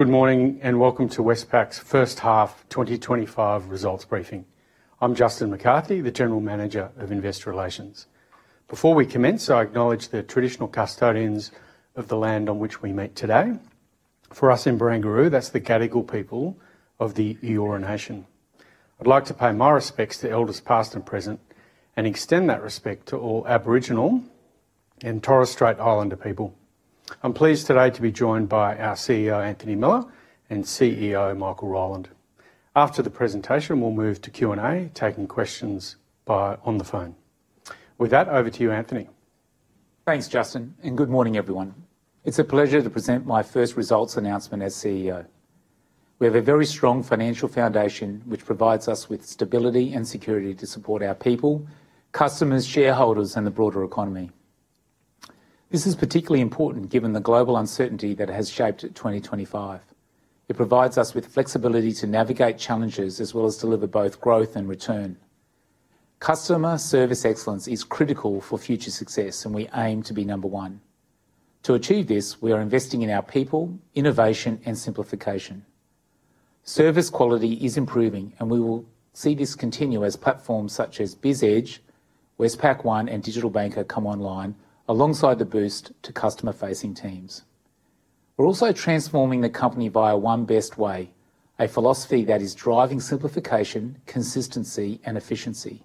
Good morning and welcome to Westpac's first half 2025 results briefing. I'm Justin McCarthy, the General Manager of Investor Relations. Before we commence, I acknowledge the traditional custodians of the land on which we meet today. For us in Barangaroo, that's the Gadigal people of the Eora Nation. I'd like to pay my respects to Elders past and present and extend that respect to all Aboriginal and Torres Strait Islander people. I'm pleased today to be joined by our CEO, Anthony Miller, and CFO, Michael Rowland. After the presentation, we'll move to Q&A, taking questions by on the phone. With that, over to you, Anthony. Thanks, Justin, and good morning, everyone. It's a pleasure to present my first results announcement as CEO. We have a very strong financial foundation, which provides us with stability and security to support our people, customers, shareholders, and the broader economy. This is particularly important given the global uncertainty that has shaped 2025. It provides us with flexibility to navigate challenges as well as deliver both growth and return. Customer service excellence is critical for future success, and we aim to be number one. To achieve this, we are investing in our people, innovation, and simplification. Service quality is improving, and we will see this continue as platforms such as BizEdge, Westpac One, and Digital Banker come online, alongside the boost to customer-facing teams. We're also transforming the company via One Best Way, a philosophy that is driving simplification, consistency, and efficiency.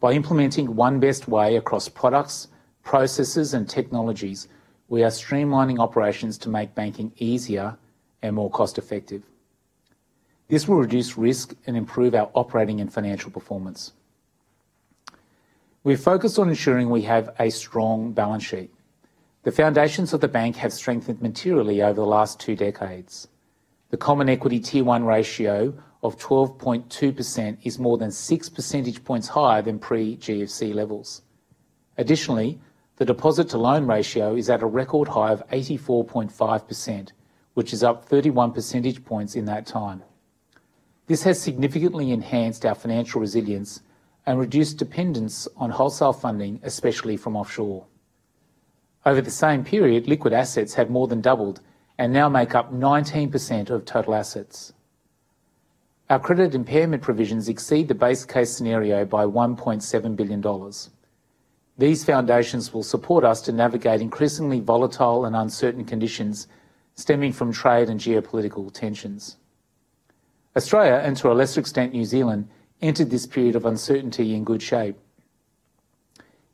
By implementing One Best Way across products, processes, and technologies, we are streamlining operations to make banking easier and more cost-effective. This will reduce risk and improve our operating and financial performance. We focus on ensuring we have a strong balance sheet. The foundations of the bank have strengthened materially over the last two decades. The common equity CET1 Ratio of 12.2% is more than six percentage points higher than pre-GFC levels. Additionally, the deposit-to-loan ratio is at a record high of 84.5%, which is up 31 percentage points in that time. This has significantly enhanced our financial resilience and reduced dependence on wholesale funding, especially from offshore. Over the same period, liquid assets have more than doubled and now make up 19% of total assets. Our credit impairment provisions exceed the base case scenario by 1.7 billion dollars. These foundations will support us to navigate increasingly volatile and uncertain conditions stemming from trade and geopolitical tensions. Australia, and to a lesser extent, New Zealand, entered this period of uncertainty in good shape.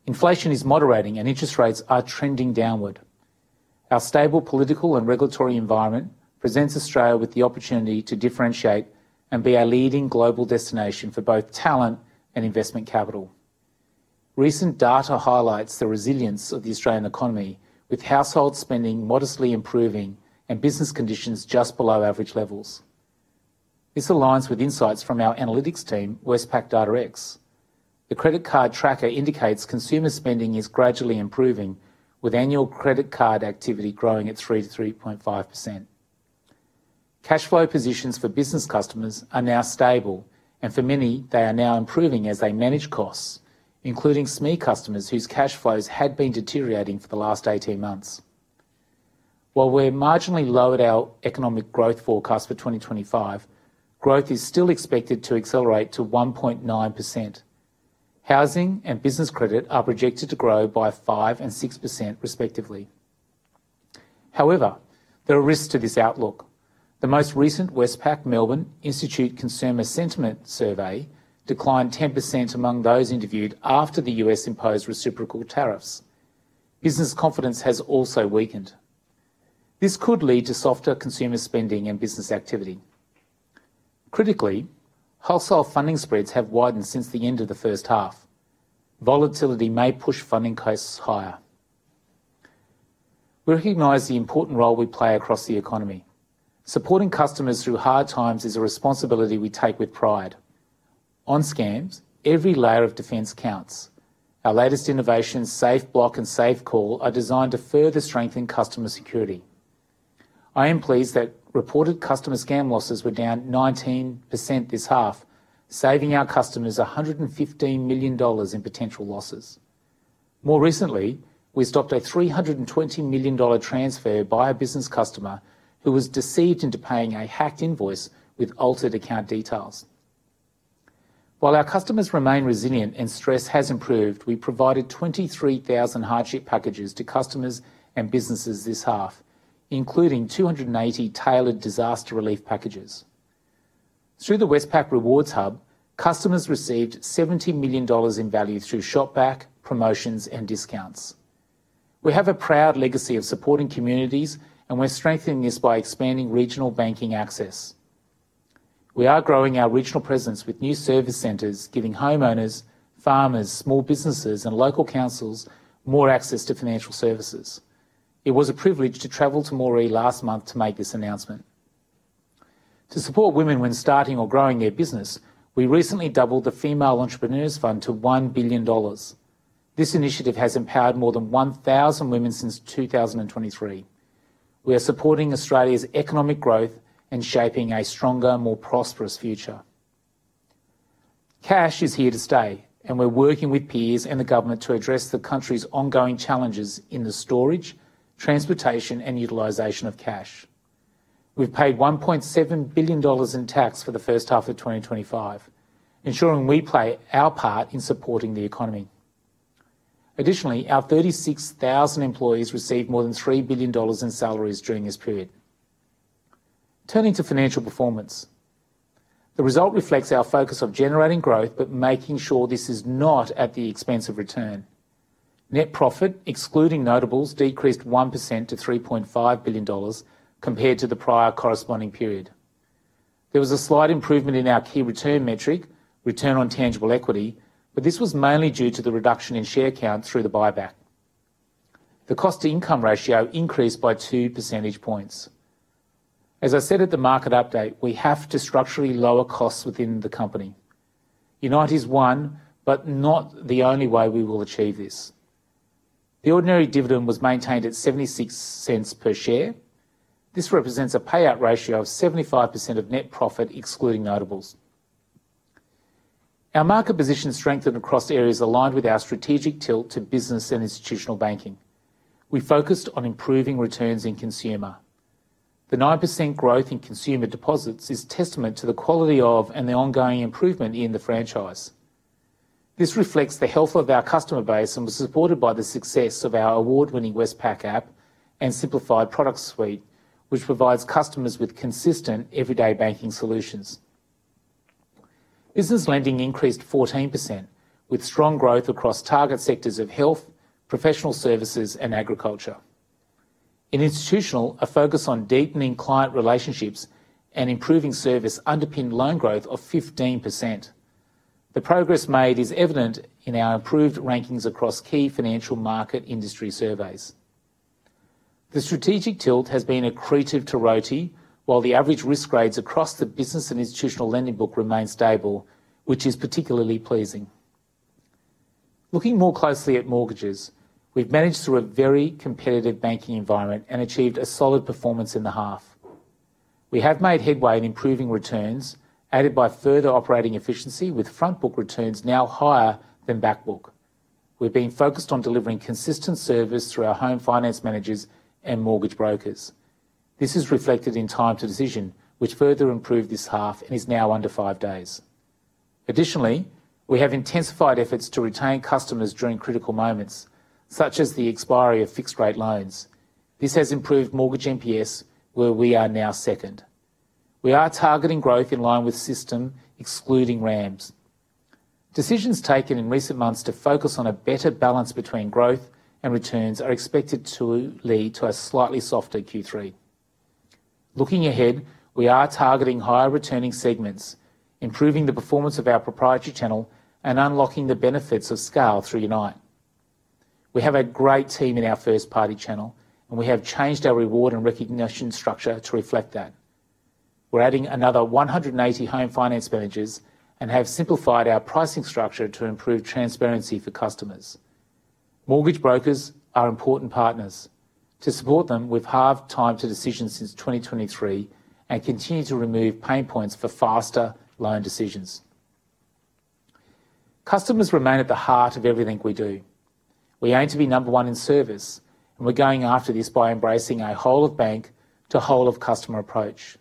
Inflation is moderating, and interest rates are trending downward. Our stable political and regulatory environment presents Australia with the opportunity to differentiate and be a leading global destination for both talent and investment capital. Recent data highlights the resilience of the Australian economy, with household spending modestly improving and business conditions just below average levels. This aligns with insights from our analytics team, Westpac Data X. The credit card tracker indicates consumer spending is gradually improving, with annual credit card activity growing at 3.5%. Cash flow positions for business customers are now stable, and for many, they are now improving as they manage costs, including SME customers whose cash flows had been deteriorating for the last 18 months. While we're marginally low at our economic growth forecast for 2025, growth is still expected to accelerate to 1.9%. Housing and business credit are projected to grow by 5% and 6%, respectively. However, there are risks to this outlook. The most recent Westpac Melbourne Institute Consumer Sentiment Survey declined 10% among those interviewed after the US imposed reciprocal tariffs. Business confidence has also weakened. This could lead to softer consumer spending and business activity. Critically, wholesale funding spreads have widened since the end of the first half. Volatility may push funding costs higher. We recognize the important role we play across the economy. Supporting customers through hard times is a responsibility we take with pride. On scams, every layer of defense counts. Our latest innovations, SafeBlock and SafeCall, are designed to further strengthen customer security. I am pleased that reported customer scam losses were down 19% this half, saving our customers 115 million dollars in potential losses. More recently, we stopped an 320 million dollar transfer by a business customer who was deceived into paying a hacked invoice with altered account details. While our customers remain resilient and stress has improved, we provided 23,000 hardship packages to customers and businesses this half, including 280 tailored disaster relief packages. Through the Westpac Rewards Hub, customers received 70 million dollars in value through shopback, promotions, and discounts. We have a proud legacy of supporting communities, and we're strengthening this by expanding regional banking access. We are growing our regional presence with new service centers, giving homeowners, farmers, small businesses, and local councils more access to financial services. It was a privilege to travel to Moree last month to make this announcement. To support women when starting or growing their business, we recently doubled the Female Entrepreneurs Fund to 1 billion dollars. This initiative has empowered more than 1,000 women since 2023. We are supporting Australia's economic growth and shaping a stronger, more prosperous future. Cash is here to stay, and we're working with peers and the government to address the country's ongoing challenges in the storage, transportation, and utilization of cash. We've paid 1.7 billion dollars in tax for the first half of 2025, ensuring we play our part in supporting the economy. Additionally, our 36,000 employees received more than 3 billion dollars in salaries during this period. Turning to financial performance, the result reflects our focus on generating growth, but making sure this is not at the expense of return. Net profit, excluding notables, decreased 1% to 3.5 billion dollars compared to the prior corresponding period. There was a slight improvement in our key return metric, return on tangible equity, but this was mainly due to the reduction in share count through the buyback. The cost-to-income ratio increased by two percentage points. As I said at the market update, we have to structurally lower costs within the company. UNITE is one, but not the only way we will achieve this. The ordinary dividend was maintained at 0.76 per share. This represents a payout ratio of 75% of net profit, excluding notables. Our market position strengthened across areas aligned with our strategic tilt to business and institutional banking. We focused on improving returns in consumer. The 9% growth in consumer deposits is testament to the quality of and the ongoing improvement in the franchise. This reflects the health of our customer base and was supported by the success of our award-winning Westpac App and simplified product suite, which provides customers with consistent everyday banking solutions. Business lending increased 14%, with strong growth across target sectors of health, professional services, and agriculture. In institutional, a focus on deepening client relationships and improving service underpinned loan growth of 15%. The progress made is evident in our improved rankings across key financial market industry surveys. The strategic tilt has been accretive to ROTE, while the average risk grades across the business and institutional lending book remain stable, which is particularly pleasing. Looking more closely at mortgages, we've managed through a very competitive banking environment and achieved a solid performance in the half. We have made headway in improving returns, aided by further operating efficiency, with front book returns now higher than back book. We've been focused on delivering consistent service through our home finance managers and mortgage brokers. This is reflected in time to decision, which further improved this half and is now under five days. Additionally, we have intensified efforts to retain customers during critical moments, such as the expiry of fixed-rate loans. This has improved mortgage NPS, where we are now second. We are targeting growth in line with system, excluding RAMS. Decisions taken in recent months to focus on a better balance between growth and returns are expected to lead to a slightly softer Q3. Looking ahead, we are targeting higher returning segments, improving the performance of our proprietary channel, and unlocking the benefits of scale through UNITE. We have a great team in our first-party channel, and we have changed our reward and recognition structure to reflect that. We're adding another 180 home finance managers and have simplified our pricing structure to improve transparency for customers. Mortgage brokers are important partners. To support them, we've halved time to decision since 2023 and continue to remove pain points for faster loan decisions. Customers remain at the heart of everything we do. We aim to be number one in service, and we're going after this by embracing a whole-of-bank to whole-of-customer approach.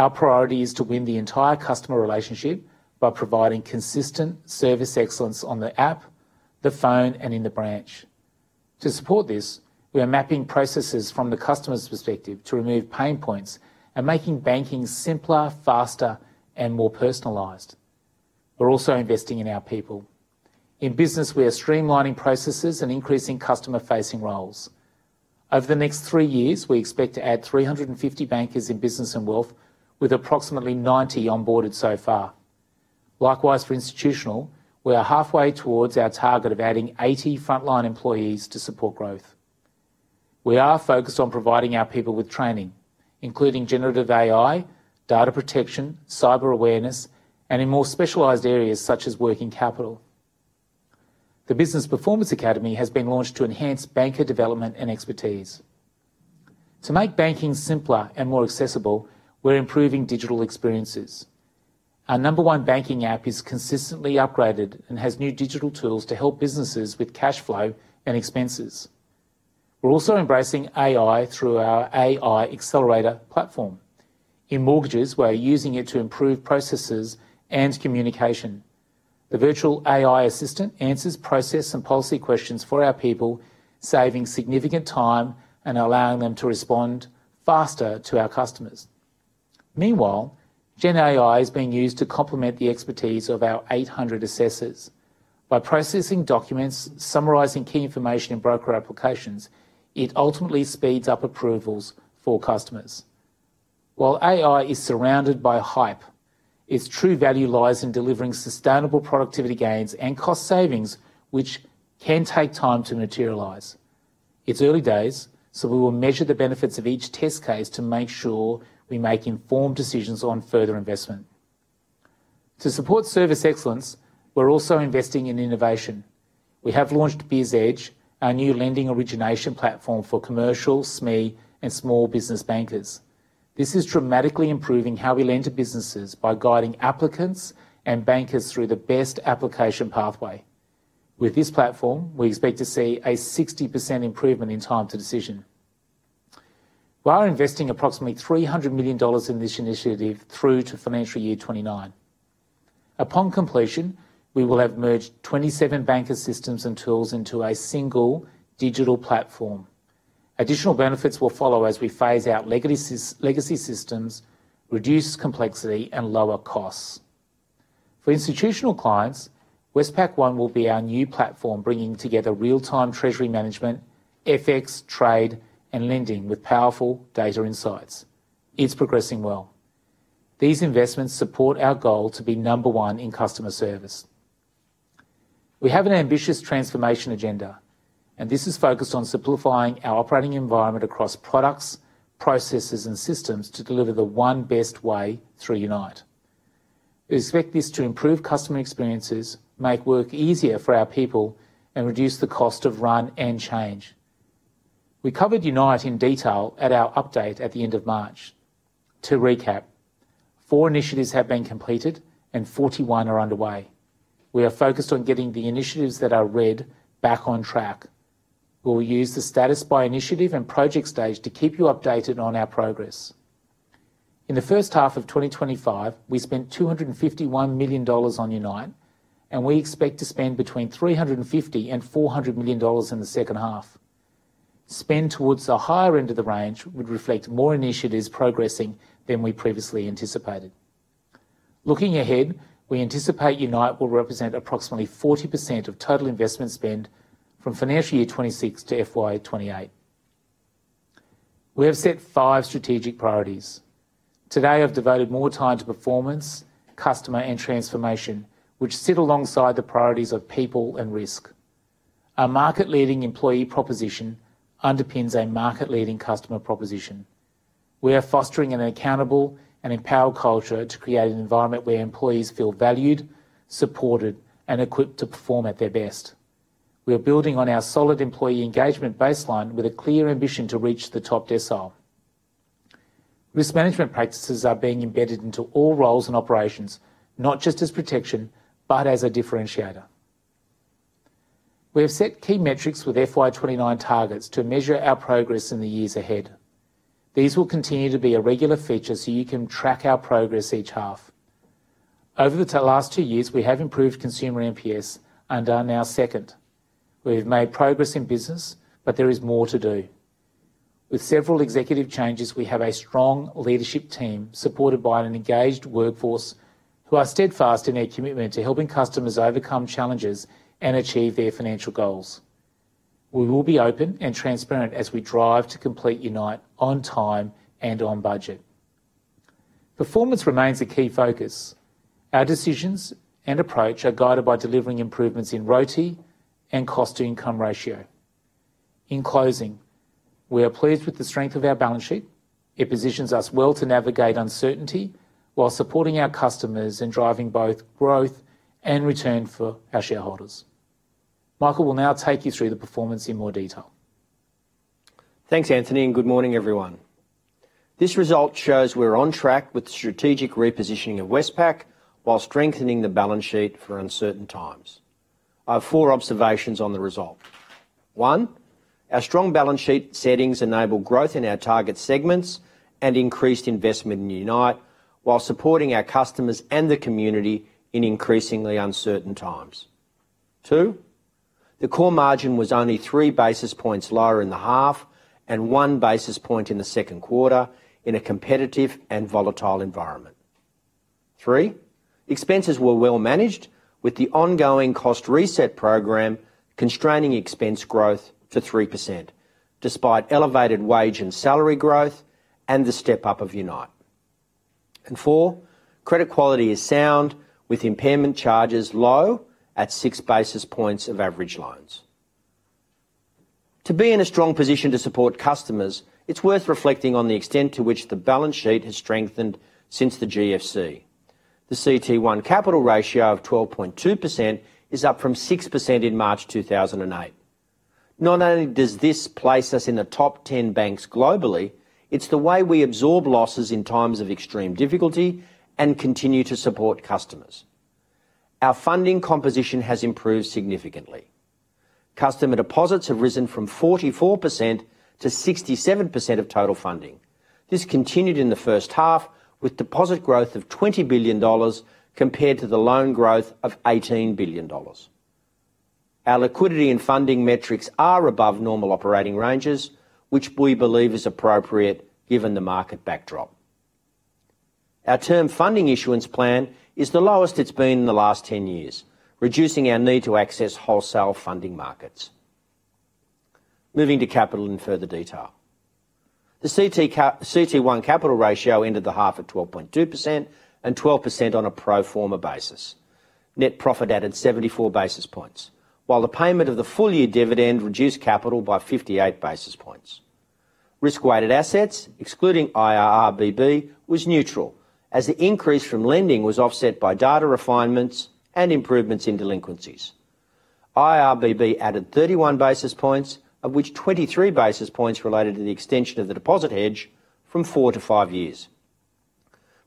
Our priority is to win the entire customer relationship by providing consistent service excellence on the app, the phone, and in the branch. To support this, we are mapping processes from the customer's perspective to remove pain points and making banking simpler, faster, and more personalized. We're also investing in our people. In business, we are streamlining processes and increasing customer-facing roles. Over the next three years, we expect to add 350 bankers in business and wealth, with approximately 90 onboarded so far. Likewise, for institutional, we are halfway towards our target of adding 80 frontline employees to support growth. We are focused on providing our people with training, including generative AI, data protection, cyber awareness, and in more specialized areas such as working capital. The Business Performance Academy has been launched to enhance banker development and expertise. To make banking simpler and more accessible, we're improving digital experiences. Our number one banking app is consistently upgraded and has new digital tools to help businesses with cash flow and expenses. We're also embracing AI through our AI Accelerator platform. In mortgages, we're using it to improve processes and communication. The virtual AI assistant answers process and policy questions for our people, saving significant time and allowing them to respond faster to our customers. Meanwhile, GenAI is being used to complement the expertise of our 800 assessors. By processing documents, summarizing key information in broker applications, it ultimately speeds up approvals for customers. While AI is surrounded by hype, its true value lies in delivering sustainable productivity gains and cost savings, which can take time to materialize. It's early days, so we will measure the benefits of each test case to make sure we make informed decisions on further investment. To support service excellence, we're also investing in innovation. We have launched BizEdge, our new lending origination platform for commercial, SME, and small business bankers. This is dramatically improving how we lend to businesses by guiding applicants and bankers through the best application pathway. With this platform, we expect to see a 60% improvement in time to decision. We are investing approximately 300 million dollars in this initiative through to financial year 2029. Upon completion, we will have merged 27 banker systems and tools into a single digital platform. Additional benefits will follow as we phase out legacy systems, reduce complexity, and lower costs. For institutional clients, Westpac One will be our new platform, bringing together real-time treasury management, FX, trade, and lending with powerful data insights. It's progressing well. These investments support our goal to be number one in customer service. We have an ambitious transformation agenda, and this is focused on simplifying our operating environment across products, processes, and systems to deliver the one best way through UNITE. We expect this to improve customer experiences, make work easier for our people, and reduce the cost of run and change. We covered UNITE in detail at our update at the end of March. To recap, four initiatives have been completed and 41 are underway. We are focused on getting the initiatives that are red back on track. Our market-leading employee proposition underpins a market-leading customer proposition. We are fostering an accountable and empowered culture to create an environment where employees feel valued, supported, and equipped to perform at their best. We are building on our solid employee engagement baseline with a clear ambition to reach the top decile. Risk management practices are being embedded into all roles and operations, not just as protection, but as a differentiator. We have set key metrics with FY 2029 targets to measure our progress in the years ahead. These will continue to be a regular feature so you can track our progress each half. Over the last two years, we have improved consumer NPS and are now second. We have made progress in business, but there is more to do. With several executive changes, we have a strong leadership team supported by an engaged workforce who are steadfast in their commitment to helping customers overcome challenges and achieve their financial goals. We will be open and transparent as we drive to complete UNITE on time and on budget. Performance remains a key focus. Our decisions and approach are guided by delivering improvements in ROTE and cost-to-income ratio. In closing, we are pleased with the strength of our balance sheet. It positions us well to navigate uncertainty while supporting our customers and driving both growth and return for our shareholders. Michael will now take you through the performance in more detail. Thanks, Anthony, and good morning, everyone. This result shows we're on track with the strategic repositioning of Westpac while strengthening the balance sheet for uncertain times. I have four observations on the result. One, our strong balance sheet settings enable growth in our target segments and increased investment in UNITE while supporting our customers and the community in increasingly uncertain times. Two, the core margin was only three basis points lower in the half and one basis point in the second quarter in a competitive and volatile environment. Three, expenses were well managed with the ongoing cost reset program constraining expense growth to 3% despite elevated wage and salary growth and the step-up of UNITE. Four, credit quality is sound with impairment charges low at six basis points of average loans. To be in a strong position to support customers, it's worth reflecting on the extent to which the balance sheet has strengthened since the GFC. The CET1 Ratio of 12.2% is up from 6% in March 2008. Not only does this place us in the top 10 banks globally, it's the way we absorb losses in times of extreme difficulty and continue to support customers. Our funding composition has improved significantly. Customer deposits have risen from 44% to 67% of total funding. This continued in the first half with deposit growth of 20 billion dollars compared to the loan growth of 18 billion dollars. Our liquidity and funding metrics are above normal operating ranges, which we believe is appropriate given the market backdrop. Our term funding issuance plan is the lowest it has been in the last 10 years, reducing our need to access wholesale funding markets. Moving to capital in further detail. The CET1 capital ratio ended the half at 12.2% and 12% on a pro forma basis. Net profit added 74 basis points, while the payment of the full year dividend reduced capital by 58 basis points. Risk-weighted assets, excluding IRRBB, was neutral as the increase from lending was offset by data refinements and improvements in delinquencies. IRRBB added 31 basis points, of which 23 basis points related to the extension of the deposit hedge from four to five years.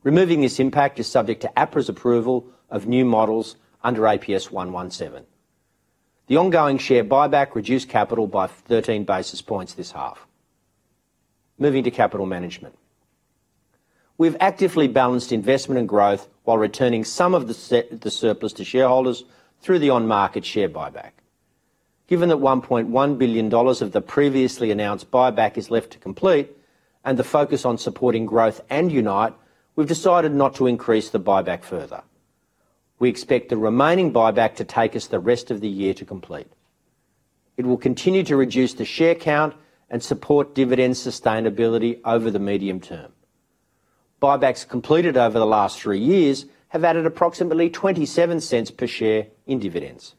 Removing this impact is subject to APRA's approval of new models under APS 117. The ongoing share buyback reduced capital by 13 basis points this half. Moving to capital management. We've actively balanced investment and growth while returning some of the surplus to shareholders through the on-market share buyback. Given that 1.1 billion dollars of the previously announced buyback is left to complete and the focus on supporting growth and UNITE, we've decided not to increase the buyback further. We expect the remaining buyback to take us the rest of the year to complete. It will continue to reduce the share count and support dividend sustainability over the medium term. Buybacks completed over the last three years have added approximately 0.27 per share in dividends.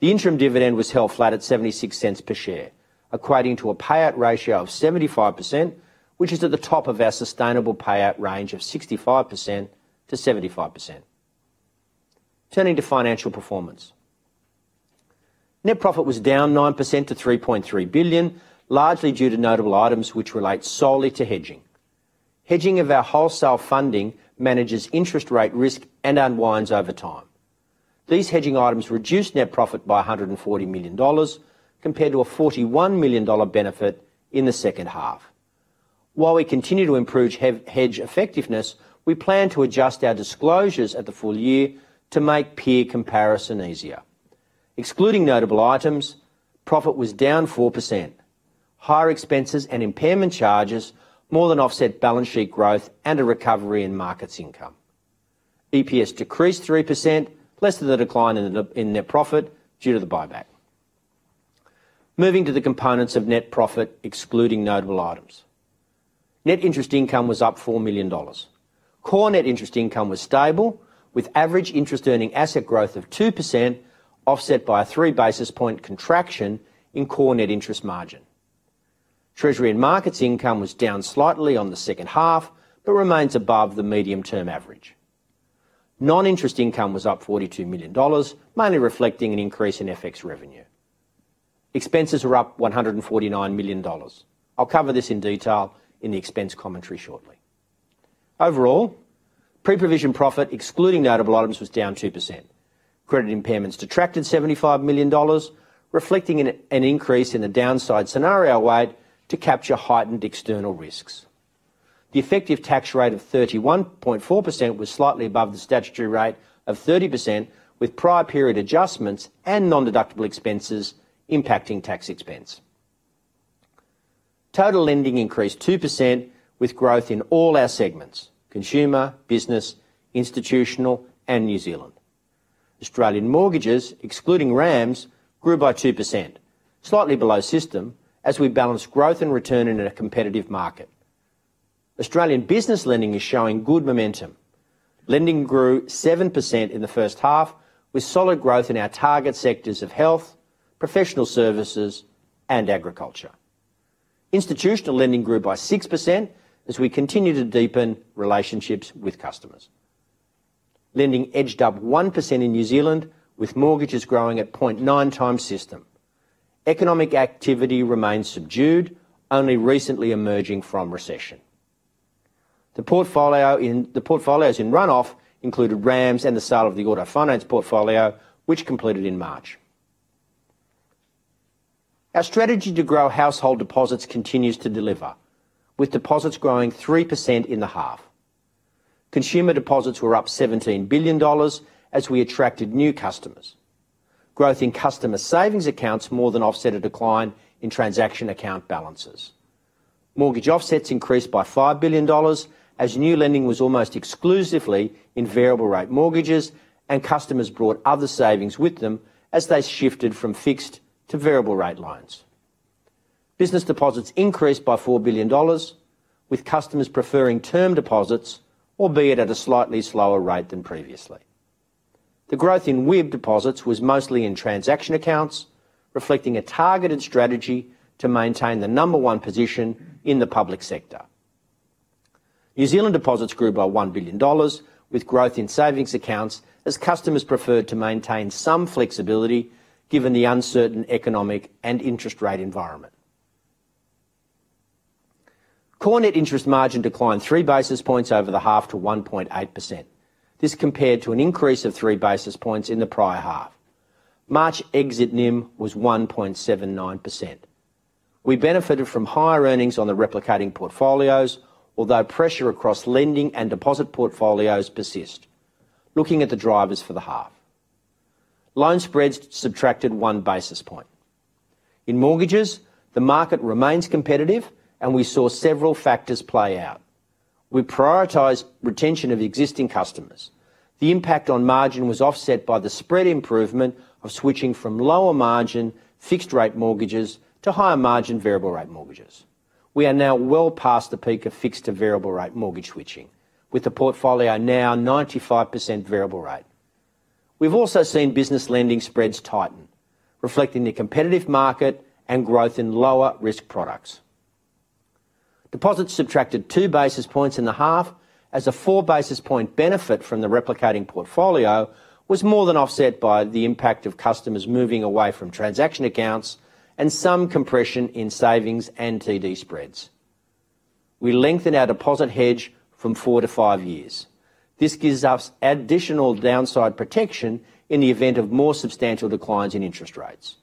The interim dividend was held flat at 0.76 per share, equating to a payout ratio of 75%, which is at the top of our sustainable payout range of 65%-75%. Turning to financial performance. Net profit was down 9% to 3.3 billion, largely due to notable items which relate solely to hedging. Hedging of our wholesale funding manages interest rate risk and unwinds over time. These hedging items reduced net profit by 140 million dollars compared to a 41 million dollar benefit in the second half. While we continue to improve hedge effectiveness, we plan to adjust our disclosures at the full year to make peer comparison easier. Excluding notable items, profit was down 4%. Higher expenses and impairment charges more than offset balance sheet growth and a recovery in markets income. EPS decreased 3%, less than the decline in net profit due to the buyback. Moving to the components of net profit, excluding notable items. Net interest income was up 4 million dollars. Core net interest income was stable with average interest-earning asset growth of 2% offset by a three basis point contraction in core net interest margin. Treasury and markets income was down slightly on the second half but remains above the medium-term average. Non-interest income was up 42 million dollars, mainly reflecting an increase in FX revenue. Expenses were up 149 million dollars. I'll cover this in detail in the expense commentary shortly. Overall, pre-provision profit, excluding notable items, was down 2%. Credit impairments detracted 75 million dollars, reflecting an increase in the downside scenario weight to capture heightened external risks. The effective tax rate of 31.4% was slightly above the statutory rate of 30%, with prior period adjustments and non-deductible expenses impacting tax expense. Total lending increased 2% with growth in all our segments: consumer, business, institutional, and New Zealand. Australian mortgages, excluding RAMS, grew by 2%, slightly below system as we balanced growth and return in a competitive market. Australian business lending is showing good momentum. Lending grew 7% in the first half with solid growth in our target sectors of health, professional services, and agriculture. Institutional lending grew by 6% as we continue to deepen relationships with customers. Lending edged up 1% in New Zealand, with mortgages growing at 0.9 times system. Economic activity remains subdued, only recently emerging from recession. The portfolios in runoff included RAMS and the sale of the auto finance portfolio, which completed in March. Our strategy to grow household deposits continues to deliver, with deposits growing 3% in the half. Consumer deposits were up 17 billion dollars as we attracted new customers. Growth in customer savings accounts more than offset a decline in transaction account balances. Mortgage offsets increased by 5 billion dollars as new lending was almost exclusively in variable-rate mortgages, and customers brought other savings with them as they shifted from fixed to variable-rate loans. Business deposits increased by 4 billion dollars, with customers preferring term deposits, albeit at a slightly slower rate than previously. The growth in WIB deposits was mostly in transaction accounts, reflecting a targeted strategy to maintain the number one position in the public sector. New Zealand deposits grew by 1 billion dollars, with growth in savings accounts as customers preferred to maintain some flexibility given the uncertain economic and interest rate environment. Core net interest margin declined three basis points over the half to 1.8%. This compared to an increase of three basis points in the prior half. March exit NIM was 1.79%. We benefited from higher earnings on the replicating portfolios, although pressure across lending and deposit portfolios persists. Looking at the drivers for the half, loan spreads subtracted one basis point. In mortgages, the market remains competitive, and we saw several factors play out. We prioritized retention of existing customers. The impact on margin was offset by the spread improvement of switching from lower-margin fixed-rate mortgages to higher-margin variable-rate mortgages. We are now well past the peak of fixed to variable-rate mortgage switching, with the portfolio now 95% variable rate. We've also seen business lending spreads tighten, reflecting the competitive market and growth in lower-risk products. Deposits subtracted two basis points in the half as a four-basis-point benefit from the replicating portfolio was more than offset by the impact of customers moving away from transaction accounts and some compression in savings and TD spreads. We lengthened our deposit hedge from four to five years. This gives us additional downside protection in the event of more substantial declines in interest rates.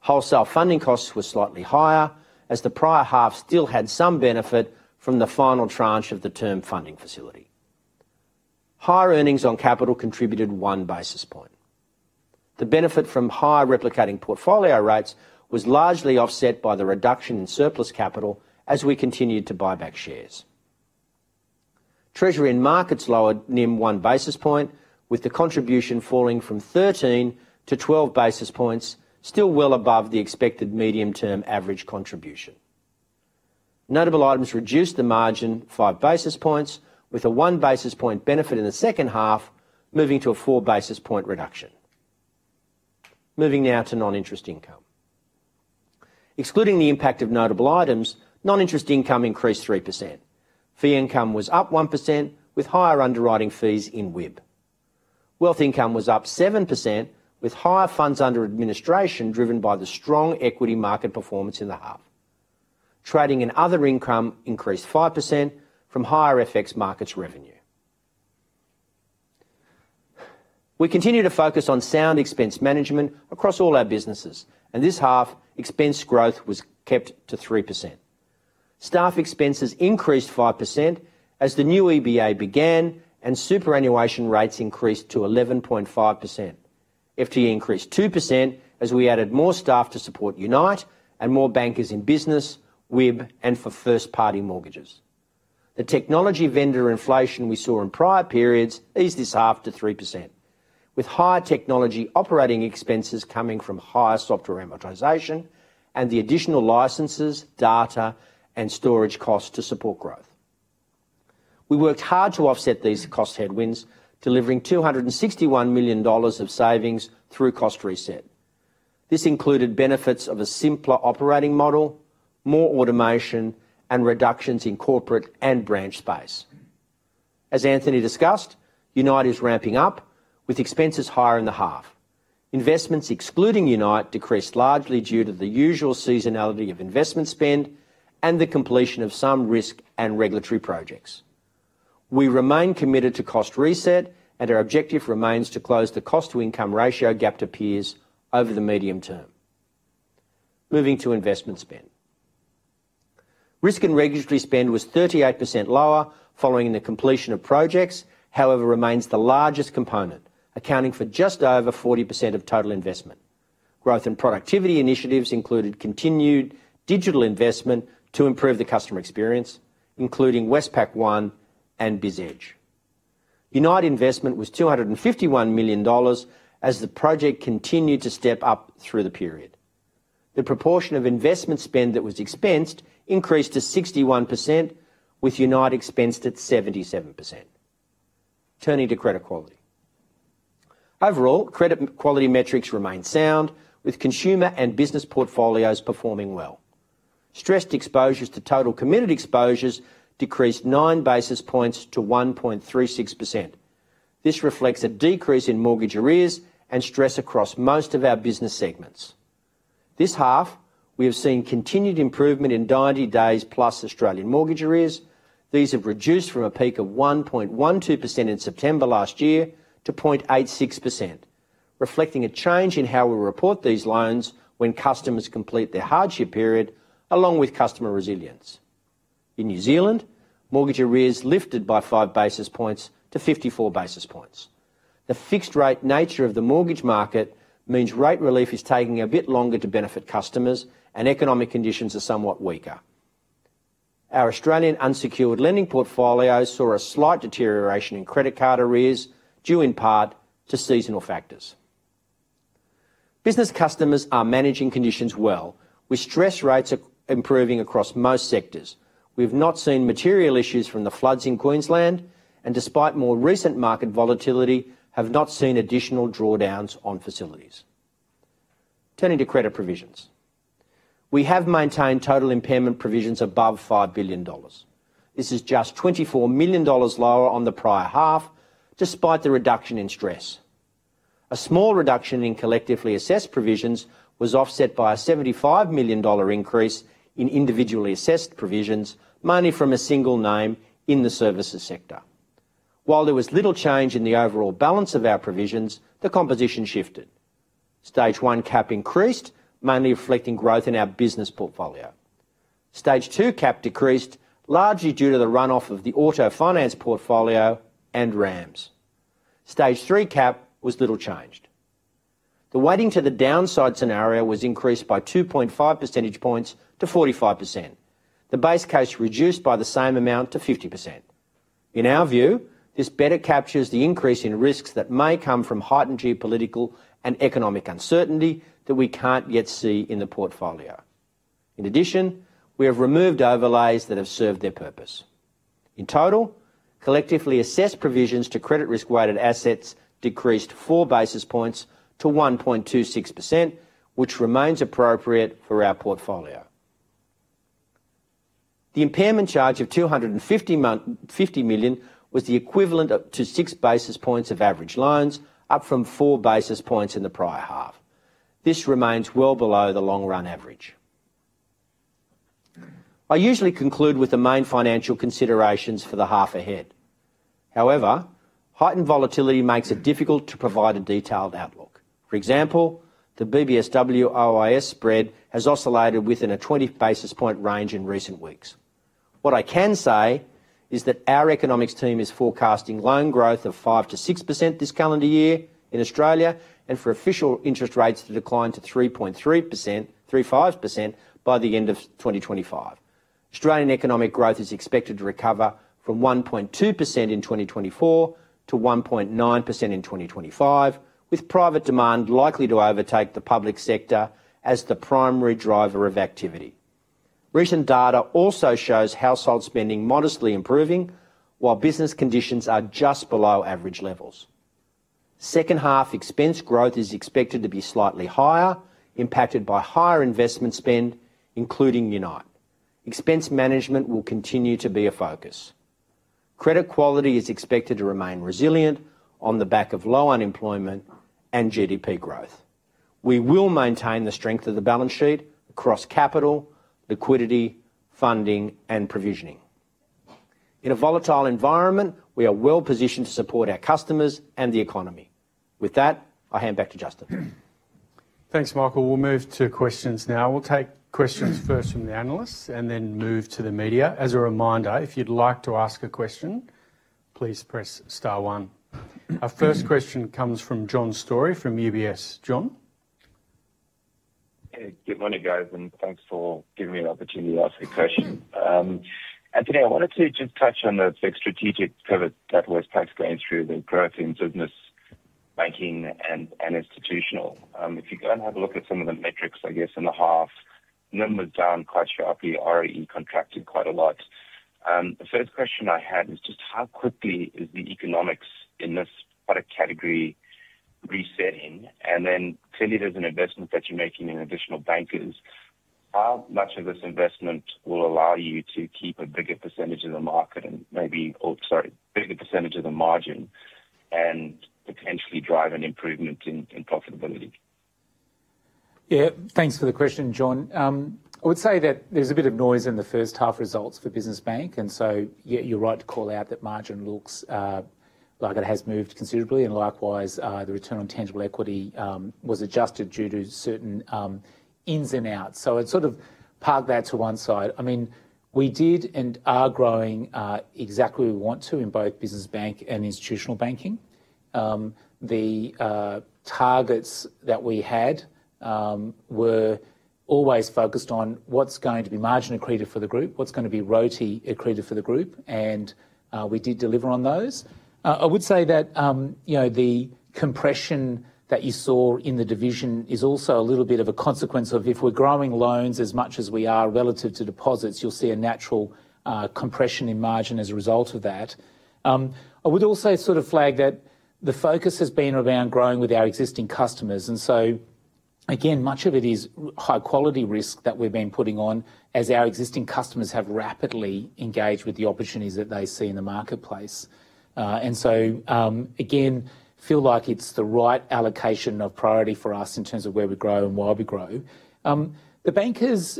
Wholesale funding costs were slightly higher as the prior half still had some benefit from the final tranche of the term funding facility. Higher earnings on capital contributed one basis point. The benefit from higher replicating portfolio rates was largely offset by the reduction in surplus capital as we continued to buy back shares. Treasury and markets lowered NIM one basis point, with the contribution falling from 13 to 12 basis points, still well above the expected medium-term average contribution. Notable items reduced the margin five basis points, with a one-basis-point benefit in the second half moving to a four-basis-point reduction. Moving now to non-interest income. Excluding the impact of notable items, non-interest income increased 3%. Fee income was up 1% with higher underwriting fees in WIB. Wealth income was up 7% with higher funds under administration driven by the strong equity market performance in the half. Trading and other income increased 5% from higher FX markets revenue. We continue to focus on sound expense management across all our businesses, and this half, expense growth was kept to 3%. Staff expenses increased 5% as the new EBA began and superannuation rates increased to 11.5%. FTE increased 2% as we added more staff to support UNITE and more bankers in business, WIB, and for first-party mortgages. The technology vendor inflation we saw in prior periods eased this half to 3%, with higher technology operating expenses coming from higher software amortization and the additional licenses, data, and storage costs to support growth. We worked hard to offset these cost headwinds, delivering 261 million dollars of savings through cost reset. This included benefits of a simpler operating model, more automation, and reductions in corporate and branch space. As Anthony discussed, UNITE is ramping up with expenses higher in the half. Investments excluding UNITE decreased largely due to the usual seasonality of investment spend and the completion of some risk and regulatory projects. We remain committed to cost reset, and our objective remains to close the cost-to-income ratio gap to peers over the medium term. Moving to investment spend. Risk and regulatory spend was 38% lower following the completion of projects, however remains the largest component, accounting for just over 40% of total investment. Growth and productivity initiatives included continued digital investment to improve the customer experience, including Westpac One and BizEdge. UNITE investment was 251 million dollars as the project continued to step up through the period. The proportion of investment spend that was expensed increased to 61%, with UNITE expensed at 77%. Turning to credit quality. Overall, credit quality metrics remain sound, with consumer and business portfolios performing well. Stressed exposures to total committed exposures decreased nine basis points to 1.36%. This reflects a decrease in mortgage arrears and stress across most of our business segments. This half, we have seen continued improvement in 90 days plus Australian mortgage arrears. These have reduced from a peak of 1.12% in September last year to 0.86%, reflecting a change in how we report these loans when customers complete their hardship period, along with customer resilience. In New Zealand, mortgage arrears lifted by five basis points to 54 basis points. The fixed-rate nature of the mortgage market means rate relief is taking a bit longer to benefit customers, and economic conditions are somewhat weaker. Our Australian unsecured lending portfolios saw a slight deterioration in credit card arrears due in part to seasonal factors. Business customers are managing conditions well, with stress rates improving across most sectors. We have not seen material issues from the floods in Queensland, and despite more recent market volatility, have not seen additional drawdowns on facilities. Turning to credit provisions. We have maintained total impairment provisions above 5 billion dollars. This is just 24 million dollars lower on the prior half, despite the reduction in stress. A small reduction in collectively assessed provisions was offset by a 75 million dollar increase in individually assessed provisions, mainly from a single name in the services sector. While there was little change in the overall balance of our provisions, the composition shifted. Stage one cap increased, mainly reflecting growth in our business portfolio. Stage two cap decreased, largely due to the runoff of the auto finance portfolio and RAMS. Stage three cap was little changed. The weighting to the downside scenario was increased by 2.5 percentage points to 45%. The base case reduced by the same amount to 50%. In our view, this better captures the increase in risks that may come from heightened geopolitical and economic uncertainty that we can't yet see in the portfolio. In addition, we have removed overlays that have served their purpose. In total, collectively assessed provisions to credit risk-weighted assets decreased four basis points to 1.26%, which remains appropriate for our portfolio. The impairment charge of 250 million was the equivalent to six basis points of average loans, up from four basis points in the prior half. This remains well below the long-run average. I usually conclude with the main financial considerations for the half ahead. However, heightened volatility makes it difficult to provide a detailed outlook. For example, the BBSW OIS spread has oscillated within a 20 basis point range in recent weeks. What I can say is that our economics team is forecasting loan growth of 5%-6% this calendar year in Australia, and for official interest rates, a decline to 3.35% by the end of 2025. Australian economic growth is expected to recover from 1.2% in 2024 to 1.9% in 2025, with private demand likely to overtake the public sector as the primary driver of activity. Recent data also shows household spending modestly improving, while business conditions are just below average levels. Second half expense growth is expected to be slightly higher, impacted by higher investment spend, including UNITE. Expense management will continue to be a focus. Credit quality is expected to remain resilient on the back of low unemployment and GDP growth. We will maintain the strength of the balance sheet across capital, liquidity, funding, and provisioning. In a volatile environment, we are well positioned to support our customers and the economy. With that, I hand back to Justin. Thanks, Michael. We'll move to questions now. We'll take questions first from the analysts and then move to the media. As a reminder, if you'd like to ask a question, please press star one. Our first question comes from John Storey from UBS. John. Good morning, guys, and thanks for giving me the opportunity to ask a question. Anthony, I wanted to just touch on the strategic pivot that Westpac's going through, the growth in business banking and institutional. If you go and have a look at some of the metrics, I guess in the half, NIM was down quite sharply, RAE contracted quite a lot. The first question I had is just how quickly is the economics in this product category resetting? And then clearly there's an investment that you're making in additional bankers. How much of this investment will allow you to keep a bigger percentage of the market and maybe, sorry, a bigger percentage of the margin and potentially drive an improvement in profitability? Yeah, thanks for the question, John. I would say that there's a bit of noise in the first half results for business bank, and you're right to call out that margin looks like it has moved considerably. Likewise, the return on tangible equity was adjusted due to certain ins and outs. I'd sort of park that to one side. I mean, we did and are growing exactly what we want to in both business bank and institutional banking. The targets that we had were always focused on what's going to be margin accretive for the group, what's going to be royalty accretive for the group, and we did deliver on those. I would say that the compression that you saw in the division is also a little bit of a consequence of if we're growing loans as much as we are relative to deposits, you'll see a natural compression in margin as a result of that. I would also sort of flag that the focus has been around growing with our existing customers. Again, much of it is high-quality risk that we've been putting on as our existing customers have rapidly engaged with the opportunities that they see in the marketplace. Again, feel like it's the right allocation of priority for us in terms of where we grow and why we grow. The bankers,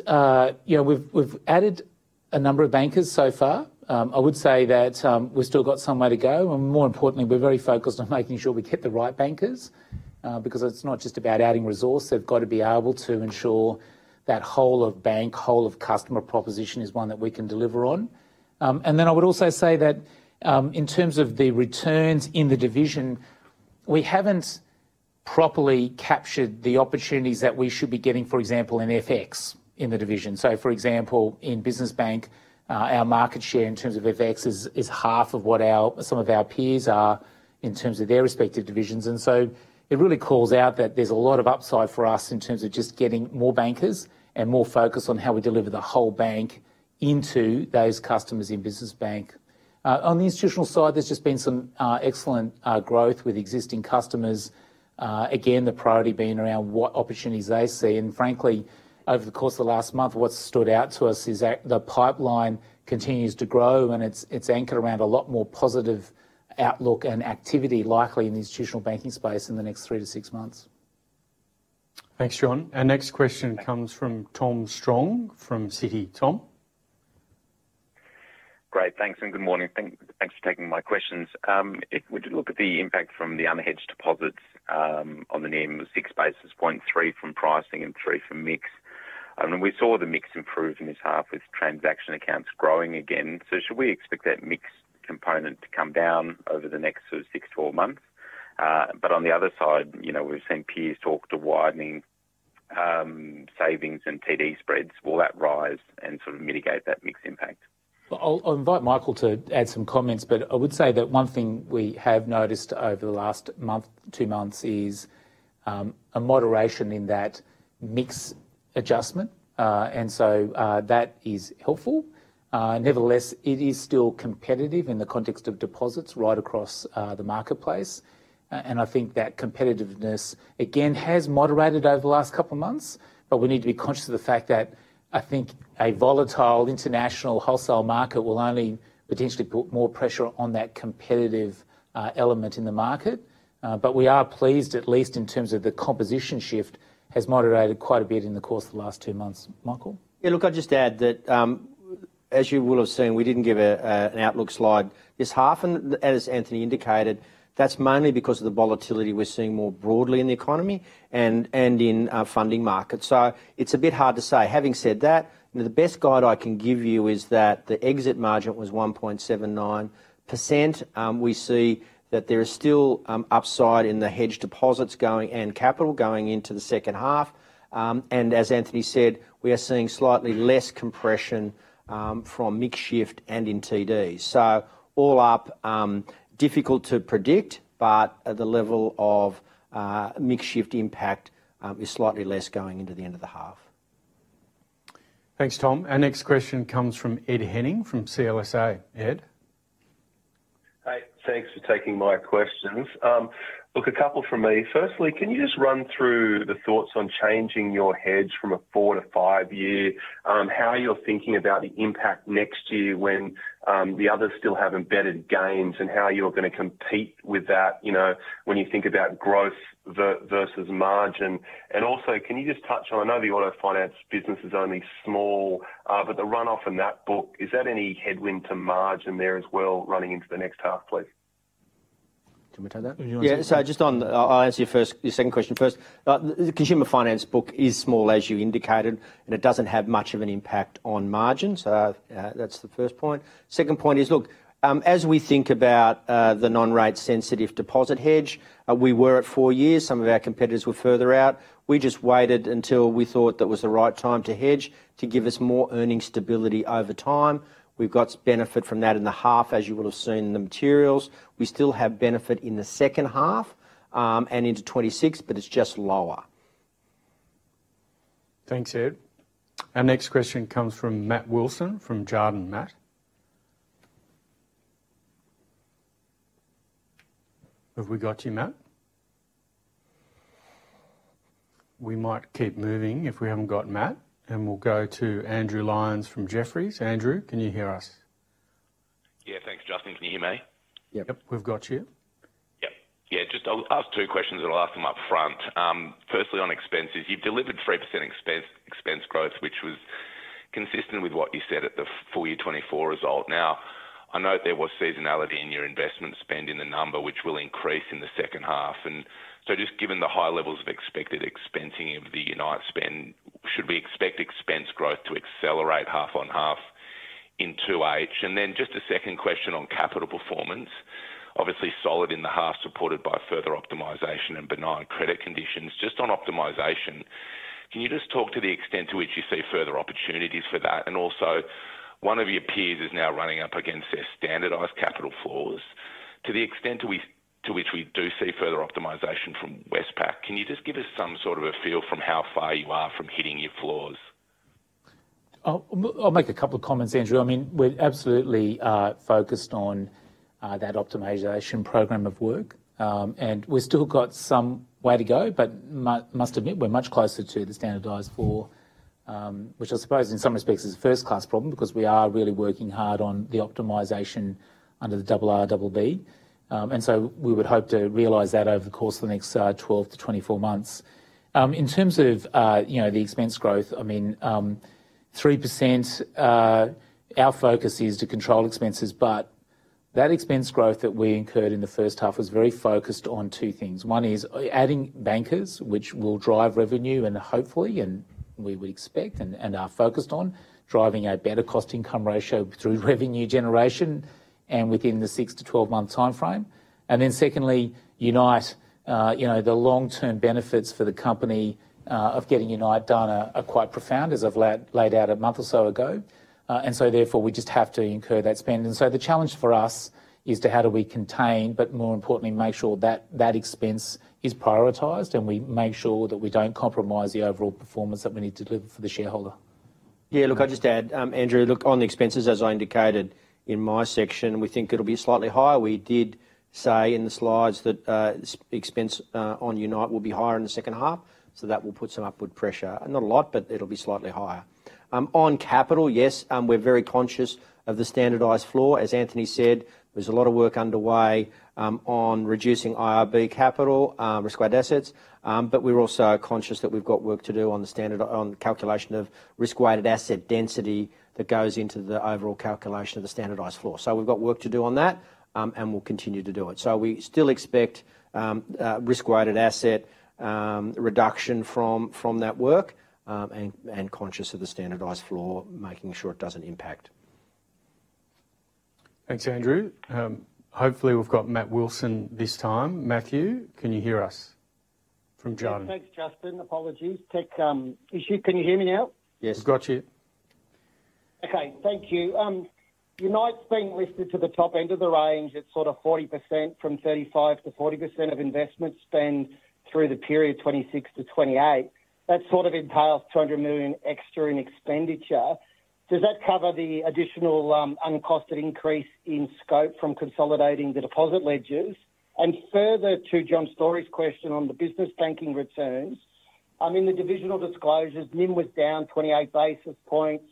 we've added a number of bankers so far. I would say that we've still got some way to go. More importantly, we're very focused on making sure we get the right bankers because it's not just about adding resources. They've got to be able to ensure that whole of bank, whole of customer proposition is one that we can deliver on. I would also say that in terms of the returns in the division, we haven't properly captured the opportunities that we should be getting, for example, in FX in the division. For example, in business bank, our market share in terms of FX is half of what some of our peers are in terms of their respective divisions. It really calls out that there's a lot of upside for us in terms of just getting more bankers and more focus on how we deliver the whole bank into those customers in business bank. On the institutional side, there's just been some excellent growth with existing customers. Again, the priority being around what opportunities they see. Frankly, over the course of the last month, what's stood out to us is that the pipeline continues to grow and it's anchored around a lot more positive outlook and activity likely in the institutional banking space in the next three to six months. Thanks, John. Our next question comes from Tom Strong from Citi. Tom. Great, thanks. Good morning. Thanks for taking my questions. We did look at the impact from the unhedged deposits on the NIM, six basis points, three from pricing and three from mix. We saw the mix improve in this half with transaction accounts growing again. Should we expect that mix component to come down over the next sort of six to four months? On the other side, we've seen peers talk to widening savings and TD spreads, will that rise and sort of mitigate that mix impact? I'll invite Michael to add some comments, but I would say that one thing we have noticed over the last month, two months is a moderation in that mix adjustment. That is helpful. Nevertheless, it is still competitive in the context of deposits right across the marketplace. I think that competitiveness, again, has moderated over the last couple of months, but we need to be conscious of the fact that I think a volatile international wholesale market will only potentially put more pressure on that competitive element in the market. We are pleased, at least in terms of the composition shift, it has moderated quite a bit in the course of the last two months. Michael? Yeah, look, I'll jus add that as you will have seen, we didn't give an outlook slide this half, as Anthony indicated, that's mainly because of the volatility we're seeing more broadly in the economy and in funding markets. It's a bit hard to say. Having said that, the best guide I can give you is that the exit margin was 1.79%. We see that there is still upside in the hedged deposits going and capital going into the second half. As Anthony said, we are seeing slightly less compression from mix shift and in TD. All up, difficult to predict, but at the level of mix shift impact is slightly less going into the end of the half. Thanks, Tom. Our next question comes from Ed Henning from CLSA. Ed. Hey, thanks for taking my questions. Look, a couple for me. Firstly, can you just run through the thoughts on changing your hedge from a four to five year, how you're thinking about the impact next year when the others still have embedded gains and how you're going to compete with that when you think about growth versus margin? Also, can you just touch on, I know the auto finance business is only small, but the runoff in that book, is that any headwind to margin there as well running into the next half, please? Can we take that? Yeah, just on, I'll answer your second question first. The consumer finance book is small, as you indicated, and it does not have much of an impact on margins. That is the first point. Second point is, as we think about the non-rate sensitive deposit hedge, we were at four years. Some of our competitors were further out. We just waited until we thought that was the right time to hedge to give us more earnings stability over time. We've got benefit from that in the half, as you will have seen in the materials. We still have benefit in the second half and into 2026, but it's just lower. Thanks, Ed. Our next question comes from Matt Wilson from Jarden. Matt. Have we got you, Matt? We might keep moving if we haven't got Matt. We will go to Andrew Lyons from Jefferies. Andrew, can you hear us? Yeah, thanks, Justin. Can you hear me? Yep. Yep, we've got you. Yep. Yeah, just I'll ask two questions and I'll ask them up front. Firstly, on expenses, you've delivered 3% expense growth, which was consistent with what you said at the full year 2024 result. Now, I know there was seasonality in your investment spend in the number, which will increase in the second half. Just given the high levels of expected expensing of the unite spend, should we expect expense growth to accelerate half on half in 2H? A second question on capital performance, obviously solid in the half supported by further optimisation and benign credit conditions. Just on optimisation, can you talk to the extent to which you see further opportunities for that? Also, one of your peers is now running up against their standardised capital floors. To the extent to which we do see further optimisation from Westpac, can you give us some sort of a feel for how far you are from hitting your floors? I'll make a couple of comments, Andrew. I mean, we're absolutely focused on that optimisation programme of work. We've still got some way to go, but must admit we're much closer to the standardised floor, which I suppose in some respects is a first-class problem because we are really working hard on the optimisation under the IRRBB. We would hope to realise that over the course of the next 12-24 months. In terms of the expense growth, I mean, 3%, our focus is to control expenses, but that expense growth that we incurred in the first half was very focused on two things. One is adding bankers, which will drive revenue and hopefully, and we would expect and are focused on driving a better cost-to-income ratio through revenue generation and within the 6-12 month timeframe. Secondly, unite, the long-term benefits for the company of getting unite done are quite profound, as I have laid out a month or so ago. Therefore, we just have to incur that spend. The challenge for us is how do we contain, but more importantly, make sure that that expense is prioritized and we make sure that we do not compromise the overall performance that we need to deliver for the shareholder Yeah, look, I will just add, Andrew, look, on the expenses, as I indicated in my section, we think it will be slightly higher. We did say in the slides that expense on unite will be higher in the second half. That will put some upward pressure. Not a lot, but it will be slightly higher. On capital, yes, we are very conscious of the standardized floor. As Anthony said, there's a lot of work underway on reducing IRB capital, risk-weighted assets. We're also conscious that we've got work to do on the standard calculation of risk-weighted asset density that goes into the overall calculation of the standardised flaw. We've got work to do on that and we'll continue to do it. We still expect risk-weighted asset reduction from that work and are conscious of the standardised flaw, making sure it doesn't impact. Thanks, Andrew. Hopefully, we've got Matt Wilson this time. Matthew, can you hear us from Jarden? Thanks, Justin. Apologies. Tech issue. Can you hear me now? Yes. We've got you. Okay, thank you. UNITE's been listed to the top end of the range. It's sort of 40% from 35-40% of investment spend through the period 2026 to 2028. That sort of entails 200 million extra in expenditure. Does that cover the additional uncosted increase in scope from consolidating the deposit ledgers? Further to John Storey's question on the business banking returns, I mean, the divisional disclosures, NIM was down 28 basis points.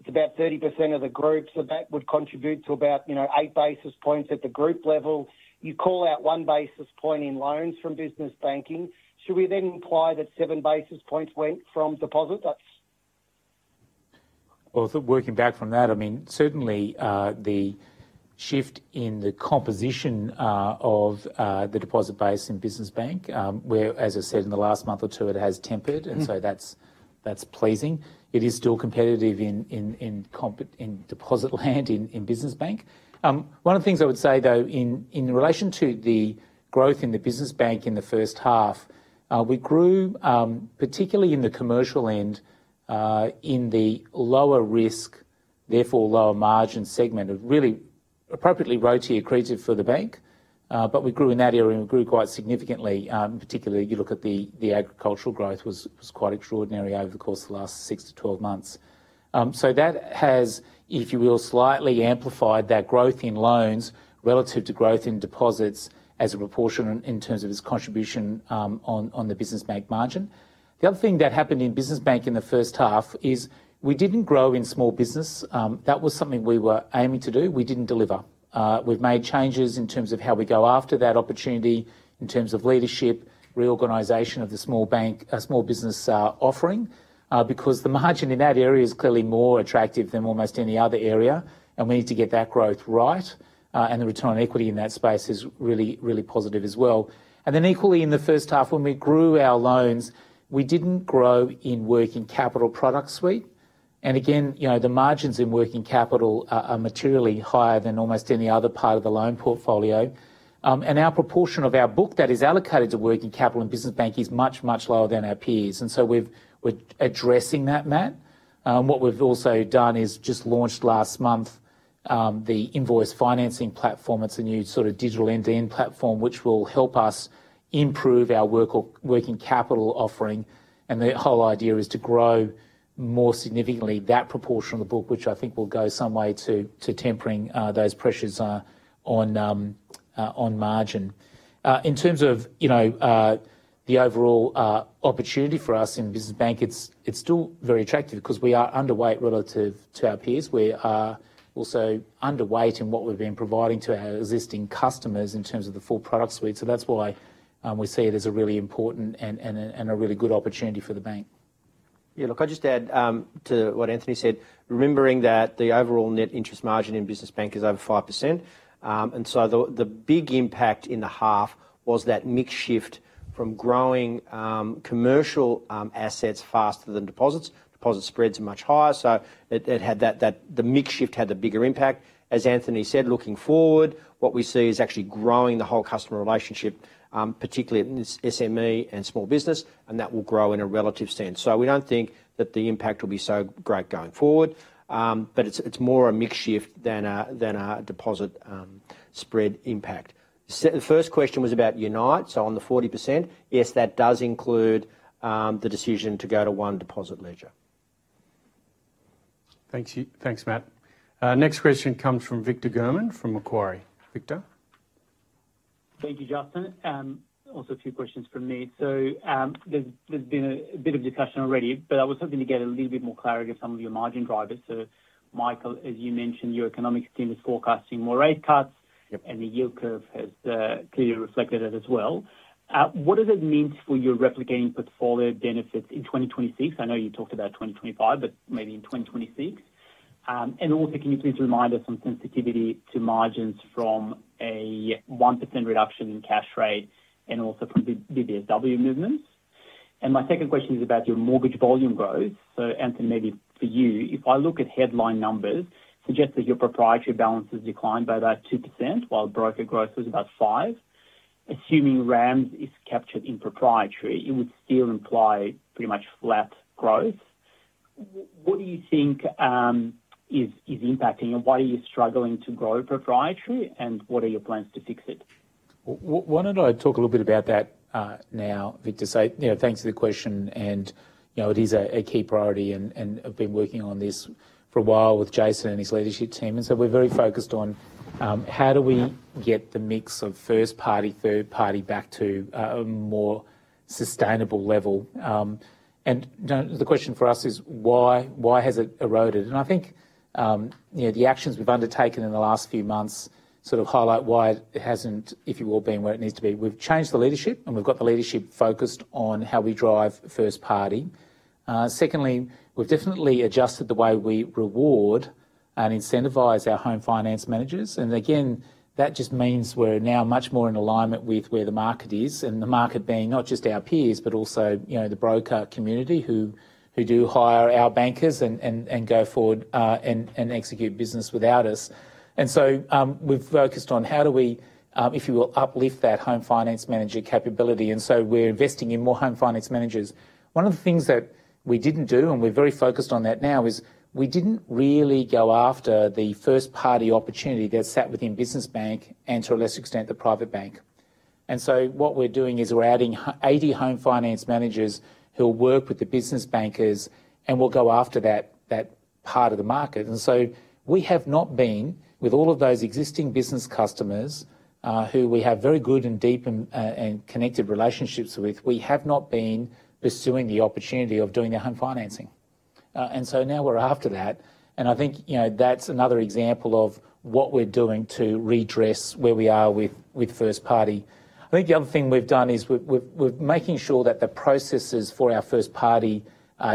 It is about 30% of the group. That would contribute to about eight basis points at the group level. You call out one basis point in loans from business banking. Should we then imply that seven basis points went from deposit? Working back from that, I mean, certainly the shift in the composition of the deposit base in business bank, where, as I said, in the last month or two, it has tempered. That is pleasing. It is still competitive in deposit land in business bank. One of the things I would say, though, in relation to the growth in the business bank in the first half, we grew, particularly in the commercial end, in the lower risk, therefore lower margin segment, of really appropriately royalty accredited for the bank. But we grew in that area and we grew quite significantly. Particularly, you look at the agricultural growth was quite extraordinary over the course of the last 6 to 12 months. That has, if you will, slightly amplified that growth in loans relative to growth in deposits as a proportion in terms of its contribution on the business bank margin. The other thing that happened in business bank in the first half is we didn't grow in small business. That was something we were aiming to do. We didn't deliver. have made changes in terms of how we go after that opportunity, in terms of leadership, reorganization of the small business offering, because the margin in that area is clearly more attractive than almost any other area. We need to get that growth right. The return on equity in that space is really, really positive as well. Equally, in the first half, when we grew our loans, we did not grow in working capital product suite. The margins in working capital are materially higher than almost any other part of the loan portfolio. Our proportion of our book that is allocated to working capital in business bank is much, much lower than our peers. We are addressing that, Matt. What we have also done is just launched last month the invoice financing platform. It's a new sort of digital end-to-end platform, which will help us improve our working capital offering. The whole idea is to grow more significantly that proportion of the book, which I think will go some way to tempering those pressures on margin. In terms of the overall opportunity for us in business bank, it's still very attractive because we are underweight relative to our peers. We are also underweight in what we've been providing to our existing customers in terms of the full product suite. That's why we see it as a really important and a really good opportunity for the bank. Yeah, look, I'll just add to what Anthony said, remembering that the overall net interest margin in business bank is over 5%. The big impact in the half was that mix shift from growing commercial assets faster than deposits. Deposit spreads are much higher. It had that the mix shift had the bigger impact. As Anthony said, looking forward, what we see is actually growing the whole customer relationship, particularly SME and small business, and that will grow in a relative sense. We do not think that the impact will be so great going forward, but it is more a mix shift than a deposit spread impact. The first question was about UNITE. On the 40%, yes, that does include the decision to go to one deposit ledger. Thanks, Matt. Next question comes from Victor German from Macquarie. Victor. Thank you, Justin. Also, a few questions from me. There has been a bit of discussion already, but I was hoping to get a little bit more clarity of some of your margin drivers. Michael, as you mentioned, your economic team is forecasting more rate cuts, and the yield curve has clearly reflected that as well. What does it mean for your replicating portfolio benefits in 2026? I know you talked about 2025, but maybe in 2026. Also, can you please remind us on sensitivity to margins from a 1% reduction in cash rate and also from BBSW movements? My second question is about your mortgage volume growth. Anthony, maybe for you, if I look at headline numbers, suggest that your proprietary balance has declined by about 2%, while broker growth was about 5%. Assuming RAMS is captured in proprietary, it would still imply pretty much flat growth. What do you think is impacting, and why are you struggling to grow proprietary, and what are your plans to fix it? Why don't I talk a little bit about that now, Victor? Thanks for the question. It is a key priority, and I've been working on this for a while with Jason and his leadership team. We are very focused on how do we get the mix of first-party, third-party back to a more sustainable level. The question for us is, why has it eroded? I think the actions we've undertaken in the last few months sort of highlight why it hasn't, if you will, been where it needs to be. We've changed the leadership, and we've got the leadership focused on how we drive first-party. Secondly, we've definitely adjusted the way we reward and incentivize our home finance managers. That just means we're now much more in alignment with where the market is, and the market being not just our peers, but also the broker community who do hire our bankers and go forward and execute business without us. We've focused on how do we, if you will, uplift that home finance manager capability. We're investing in more home finance managers. One of the things that we didn't do, and we're very focused on that now, is we didn't really go after the first-party opportunity that sat within business bank and, to a lesser extent, the private bank. What we're doing is we're adding 80 home finance managers who will work with the business bankers, and we'll go after that part of the market. We have not been, with all of those existing business customers who we have very good and deep and connected relationships with, we have not been pursuing the opportunity of doing their home financing. Now we're after that. I think that's another example of what we're doing to redress where we are with first-party. I think the other thing we've done is we're making sure that the processes for our first-party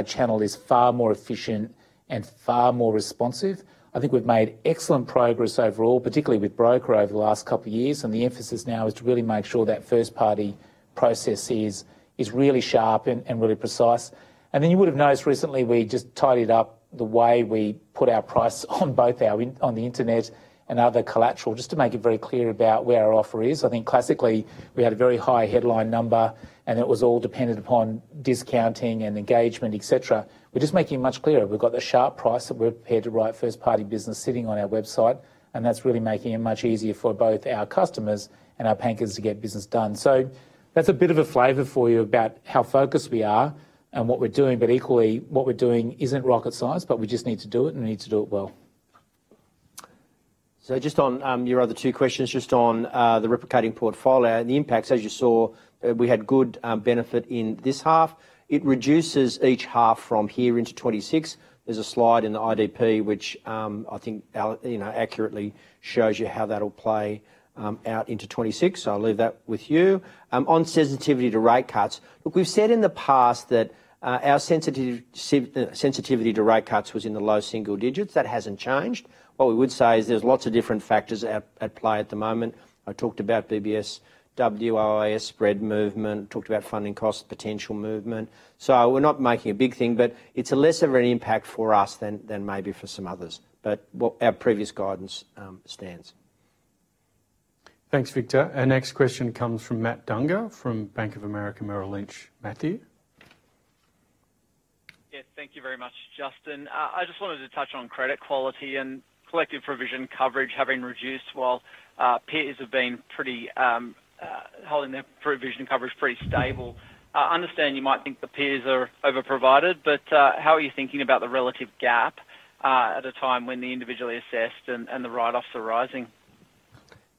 channel is far more efficient and far more responsive. I think we've made excellent progress overall, particularly with broker over the last couple of years. The emphasis now is to really make sure that first-party process is really sharp and really precise. You would have noticed recently we just tidied up the way we put our price on both on the internet and other collateral, just to make it very clear about where our offer is. I think classically we had a very high headline number, and it was all dependent upon discounting and engagement, etc. We are just making it much clearer. We have got the sharp price that we are prepared to write first-party business sitting on our website, and that is really making it much easier for both our customers and our bankers to get business done. That is a bit of a flavor for you about how focused we are and what we are doing. Equally, what we are doing is not rocket science, but we just need to do it, and we need to do it well. Just on your other two questions, just on the replicating portfolio and the impacts, as you saw, we had good benefit in this half. It reduces each half from here into 2026. There is a slide in the IDP, which I think accurately shows you how that will play out into 2026. I will leave that with you. On sensitivity to rate cuts, look, we have said in the past that our sensitivity to rate cuts was in the low single digits. That has not changed. What we would say is there are lots of different factors at play at the moment. I talked about BBSW, IIS spread movement, talked about funding cost potential movement. We are not making a big thing, but it is less of an impact for us than maybe for some others. Our previous guidance stands. Thanks, Victor. Our next question comes from Matthew Dunger from Bank of America Merrill Lynch. Matthew. Yes, thank you very much, Justin. I just wanted to touch on credit quality and collective provision coverage having reduced while peers have been pretty holding their provision coverage pretty stable. I understand you might think the peers are overprovided, but how are you thinking about the relative gap at a time when the individually assessed and the write-offs are rising?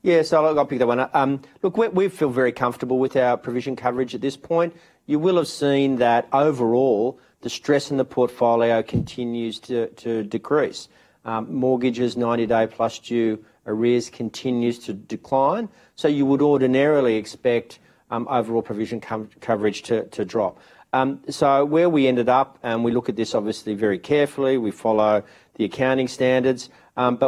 Yeah, so I'll pick that one. Look, we feel very comfortable with our provision coverage at this point. You will have seen that overall, the stress in the portfolio continues to decrease. Mortgages, 90-day plus due arrears continues to decline. You would ordinarily expect overall provision coverage to drop. Where we ended up, and we look at this obviously very carefully, we follow the accounting standards.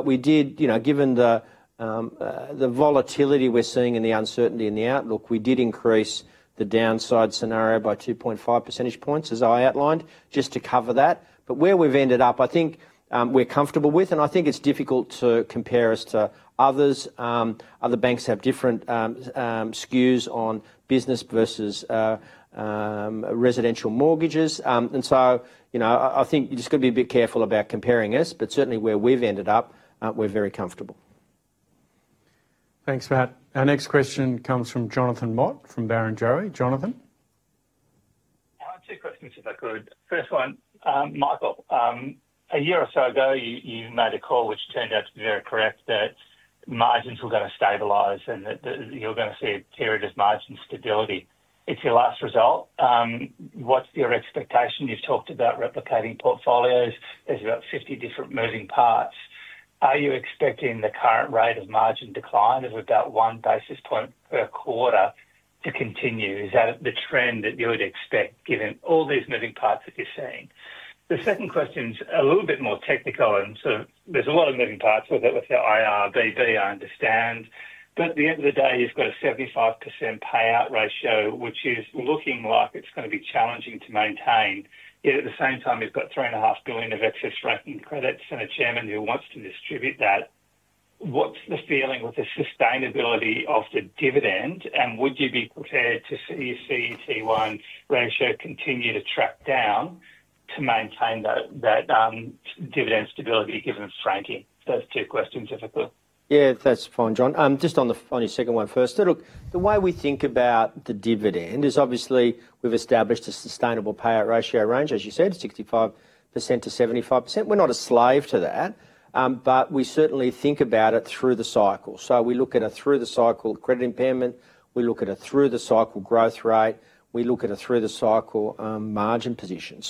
We did, given the volatility we're seeing and the uncertainty in the outlook, we did increase the downside scenario by 2.5 percentage points, as I outlined, just to cover that. Where we've ended up, I think we're comfortable with, and I think it's difficult to compare us to others. Other banks have different SKUs on business versus residential mortgages. I think you just got to be a bit careful about comparing us, but certainly where we've ended up, we're very comfortable. Thanks, Matt. Our next question comes from Jonathan Mott from Barrenjoey. Jonathan. I'll take questions if I could. First one, Michael, a year or so ago, you made a call which turned out to be very correct, that margins were going to stabilise and that you were going to see a period of margin stability. It's your last result. What's your expectation? You've talked about replicating portfolios. There's about 50 different moving parts. Are you expecting the current rate of margin decline of about one basis point per quarter to continue? Is that the trend that you would expect given all these moving parts that you're seeing? The second question is a little bit more technical, and so there's a lot of moving parts with it, with the IRRBB, I understand. At the end of the day, you've got a 75% payout ratio, which is looking like it's going to be challenging to maintain. Yet at the same time, you've got 3.5 billion of excess franking credits, and a chairman who wants to distribute that. What's the feeling with the sustainability of the dividend? Would you be prepared to see CET1 ratio continue to track down to maintain that dividend stability given franking? Those two questions, if I could. Yeah, that's fine, John. Just on your second one first. Look, the way we think about the dividend is obviously we've established a sustainable payout ratio range, as you said, 65%-75%. We're not a slave to that, but we certainly think about it through the cycle. We look at a through-the-cycle credit impairment. We look at a through-the-cycle growth rate. We look at a through-the-cycle margin position.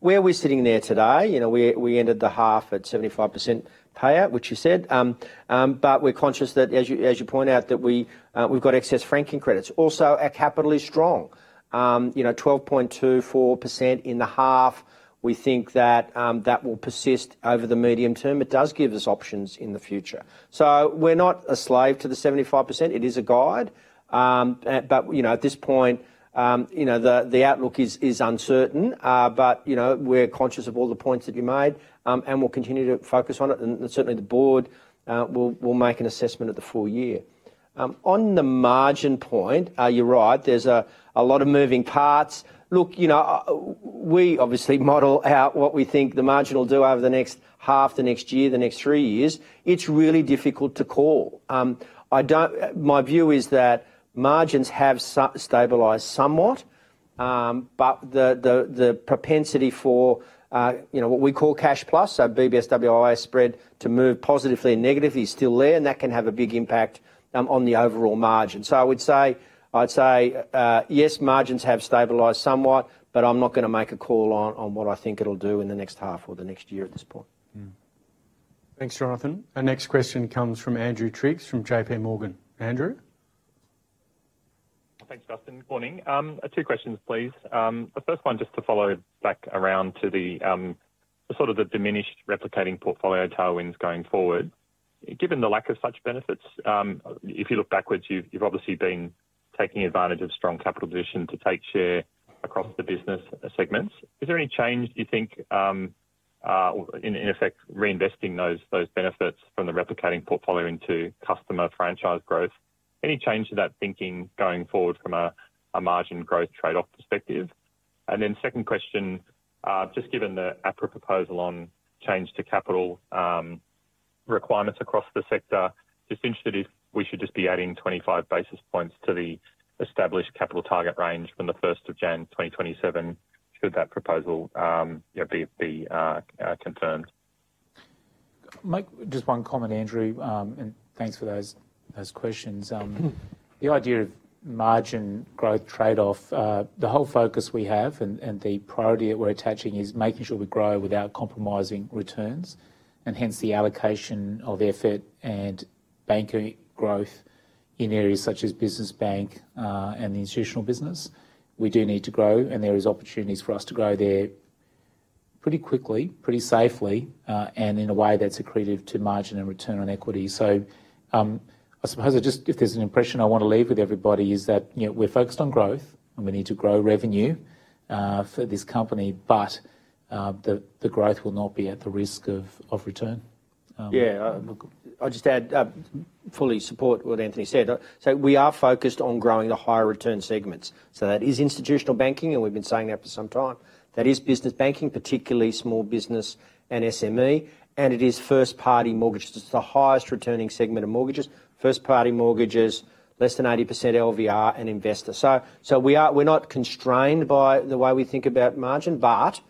Where we're sitting there today, we ended the half at 75% payout, which you said. We're conscious that, as you point out, we've got excess franking credits. Also, our capital is strong. 12.24% in the half, we think that that will persist over the medium term. It does give us options in the future. We're not a slave to the 75%. It is a guide. At this point, the outlook is uncertain, but we're conscious of all the points that you made, and we'll continue to focus on it. Certainly, the board will make an assessment of the full year. On the margin point, you're right, there's a lot of moving parts. Look, we obviously model out what we think the margin will do over the next half, the next year, the next three years. It's really difficult to call. My view is that margins have stabilized somewhat, but the propensity for what we call cash plus, so BBSW spread to move positively and negatively, is still there, and that can have a big impact on the overall margin. I would say, yes, margins have stabilized somewhat, but I'm not going to make a call on what I think it'll do in the next half or the next year at this point. Thanks, Jonathan. Our next question comes from Andrew Triggs from JPMorgan. Andrew? Thanks, Justin. Good morning. Two questions, please. The first one, just to follow back around to the sort of the diminished replicating portfolio tailwinds going forward. Given the lack of such benefits, if you look backwards, you've obviously been taking advantage of strong capital position to take share across the business segments. Is there any change you think, in effect, reinvesting those benefits from the replicating portfolio into customer franchise growth? Any change to that thinking going forward from a margin growth trade-off perspective? The second question, just given the APRA proposal on change to capital requirements across the sector, just interested if we should just be adding 25 basis points to the established capital target range from the 1st of January 2027, should that proposal be confirmed? Just one comment, Andrew, and thanks for those questions. The idea of margin growth trade-off, the whole focus we have and the priority that we're attaching is making sure we grow without compromising returns. Hence, the allocation of effort and banking growth in areas such as business bank and the institutional business, we do need to grow, and there are opportunities for us to grow there pretty quickly, pretty safely, and in a way that's accretive to margin and return on equity. I suppose just if there's an impression I want to leave with everybody is that we're focused on growth, and we need to grow revenue for this company, but the growth will not be at the risk of return. Yeah, I'll just add, fully support what Anthony said. We are focused on growing the higher return segments. That is institutional banking, and we've been saying that for some time. That is business banking, particularly small business and SME, and it is first-party mortgages. It's the highest returning segment of mortgages. First-party mortgages, less than 80% LVR and investor. We're not constrained by the way we think about margin, but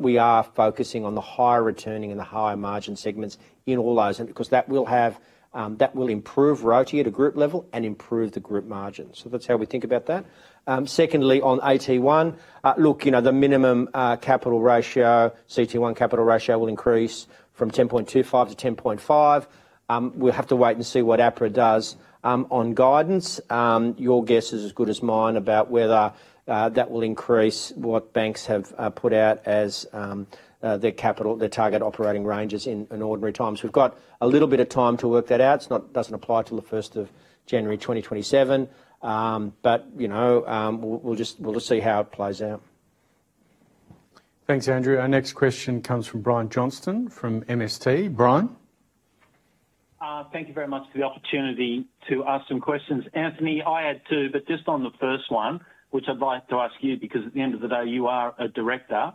we are focusing on the higher returning and the higher margin segments in all those, because that will improve ROTE at a group level and improve the group margin. That's how we think about that. Secondly, on AT1, look, the minimum capital ratio, CET1 capital ratio will increase from 10.25% to 10.5%. We'll have to wait and see what APRA does. On guidance, your guess is as good as mine about whether that will increase what banks have put out as their target operating ranges in ordinary times. We've got a little bit of time to work that out. It doesn't apply till the 1st of January 2027, but we'll just see how it plays out. Thanks, Andrew. Our next question comes from Brian Johnson from MST. Brian. Thank you very much for the opportunity to ask some questions. Anthony, I had two, but just on the first one, which I'd like to ask you, because at the end of the day, you are a director.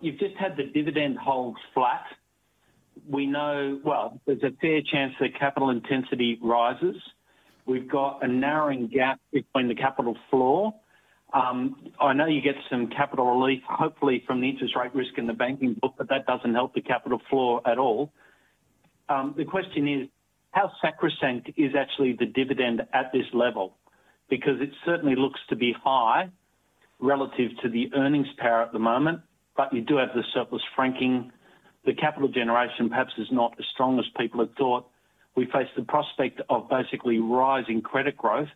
You've just had the dividend holds flat. We know, well, there's a fair chance that capital intensity rises. We've got a narrowing gap between the capital floor. I know you get some capital relief, hopefully from the interest rate risk in the banking book, but that doesn't help the capital floor at all. The question is, how sacrosanct is actually the dividend at this level? Because it certainly looks to be high relative to the earnings power at the moment, but you do have the surplus franking. The capital generation perhaps is not as strong as people had thought. We face the prospect of basically rising credit growth.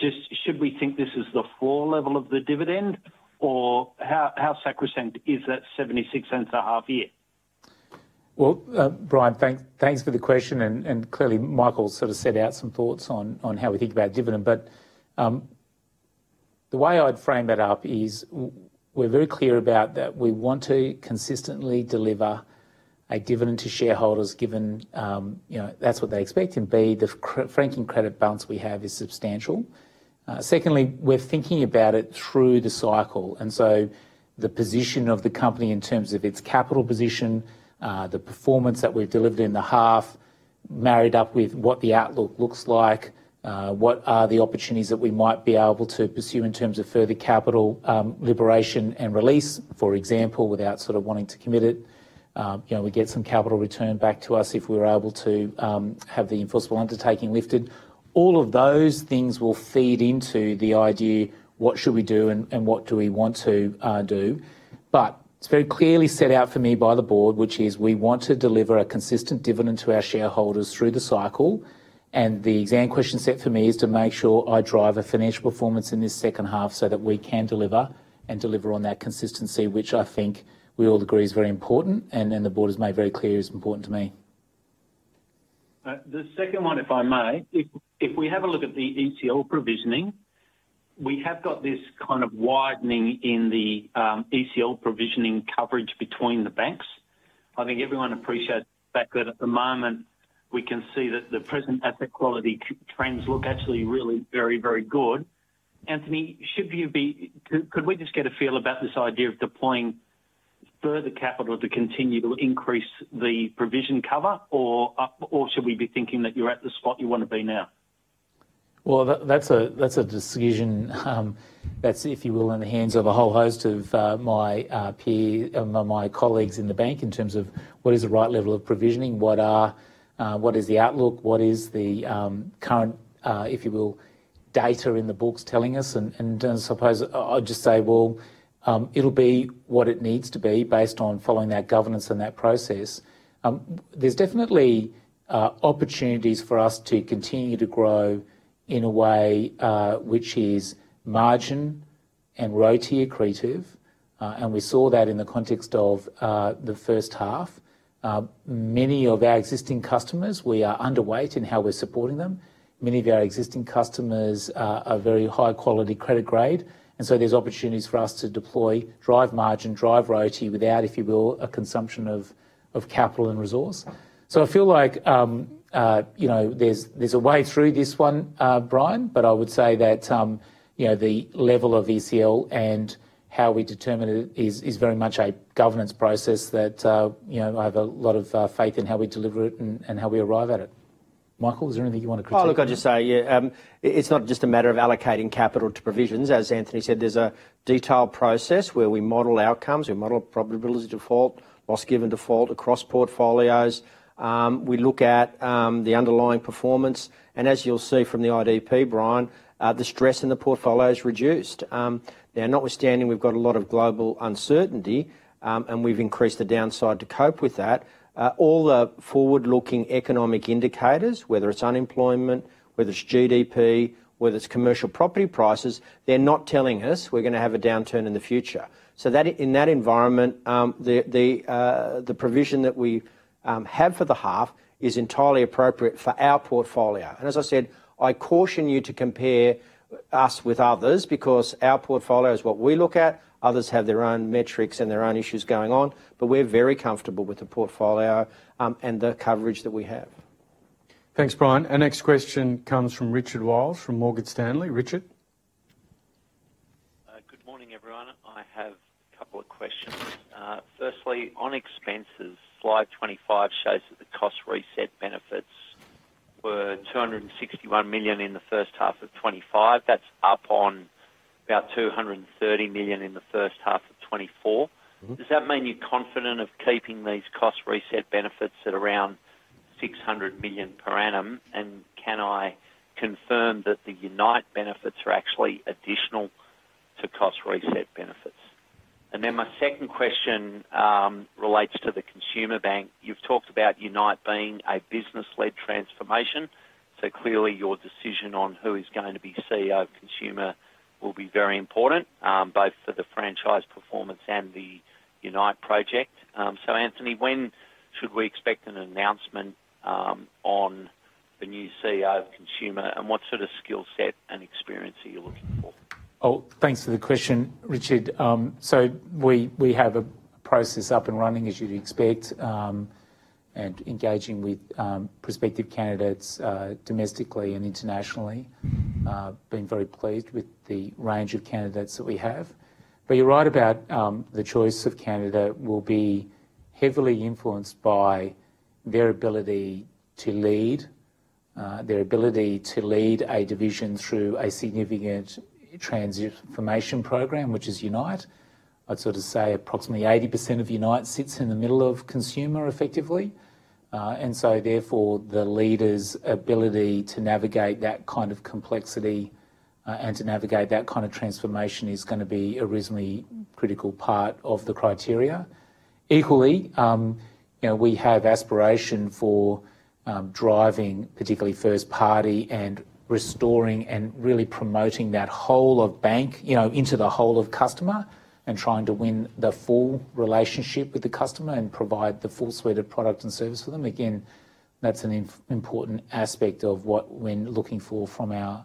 Just should we think this is the floor level of the dividend, or how sacrosanct is that 76 cents a half year? Brian, thanks for the question. Clearly, Michael sort of set out some thoughts on how we think about dividend. The way I'd frame that up is we're very clear about that we want to consistently deliver a dividend to shareholders, given that's what they expect. B, the franking credit balance we have is substantial. Secondly, we're thinking about it through the cycle. The position of the company in terms of its capital position, the performance that we've delivered in the half, married up with what the outlook looks like, what are the opportunities that we might be able to pursue in terms of further capital liberation and release, for example, without sort of wanting to commit it. We get some capital return back to us if we're able to have the enforceable undertaking lifted. All of those things will feed into the idea, what should we do and what do we want to do? It is very clearly set out for me by the board, which is we want to deliver a consistent dividend to our shareholders through the cycle. The exam question set for me is to make sure I drive a financial performance in this second half so that we can deliver and deliver on that consistency, which I think we all agree is very important. The board has made very clear it's important to me. The second one, if I may, if we have a look at the ECL provisioning, we have got this kind of widening in the ECL provisioning coverage between the banks. I think everyone appreciates the fact that at the moment, we can see that the present asset quality trends look actually really very, very good. Anthony, could we just get a feel about this idea of deploying further capital to continue to increase the provision cover, or should we be thinking that you're at the spot you want to be now? That is a decision that is, if you will, in the hands of a whole host of my peers, my colleagues in the bank, in terms of what is the right level of provisioning, what is the outlook, what is the current, if you will, data in the books telling us. I suppose I'll just say, it will be what it needs to be based on following that governance and that process. There are definitely opportunities for us to continue to grow in a way which is margin and ROTE accretive. We saw that in the context of the first half. Many of our existing customers, we are underweight in how we're supporting them. Many of our existing customers are very high quality credit grade. There are opportunities for us to deploy, drive margin, drive ROTE without, if you will, a consumption of capital and resource. I feel like there's a way through this one, Brian, but I would say that the level of ECL and how we determine it is very much a governance process that I have a lot of faith in how we deliver it and how we arrive at it. Michael, is there anything you want to critique? I'll just say, yeah, it's not just a matter of allocating capital to provisions. As Anthony said, there's a detailed process where we model outcomes. We model probability default, loss given default across portfolios. We look at the underlying performance. As you'll see from the IDP, Brian, the stress in the portfolio is reduced. Now, notwithstanding, we've got a lot of global uncertainty, and we've increased the downside to cope with that. All the forward-looking economic indicators, whether it's unemployment, whether it's GDP, whether it's commercial property prices, they're not telling us we're going to have a downturn in the future. In that environment, the provision that we have for the half is entirely appropriate for our portfolio. As I said, I caution you to compare us with others because our portfolio is what we look at. Others have their own metrics and their own issues going on, but we're very comfortable with the portfolio and the coverage that we have. Thanks, Brian. Our next question comes from Richard Wiles from Morgan Stanley. Richard? Good morning, everyone. I have a couple of questions. Firstly, on expenses, slide 25 shows that the cost reset benefits were 261 million in the first half of 2025. That's up on about 230 million in the first half of 2024. Does that mean you're confident of keeping these cost reset benefits at around 600 million per annum? Can I confirm that the unite benefits are actually additional to cost reset benefits? My second question relates to the consumer bank. You've talked about unite being a business-led transformation. Clearly, your decision on who is going to be CEO of Consumer will be very important, both for the franchise performance and the unite project. Anthony, when should we expect an announcement on the new CEO of Consumer, and what sort of skill set and experience are you looking for? Oh, thanks for the question, Richard. We have a process up and running, as you'd expect, and engaging with prospective candidates domestically and internationally. Been very pleased with the range of candidates that we have. You're right about the choice of candidate will be heavily influenced by their ability to lead, their ability to lead a division through a significant transformation program, which is UNITE. I'd sort of say approximately 80% of UNITE sits in the middle of consumer, effectively. Therefore, the leader's ability to navigate that kind of complexity and to navigate that kind of transformation is going to be a reasonably critical part of the criteria. Equally, we have aspiration for driving, particularly first party, and restoring and really promoting that whole of bank into the whole of customer and trying to win the full relationship with the customer and provide the full suite of product and service for them. Again, that's an important aspect of what we're looking for from our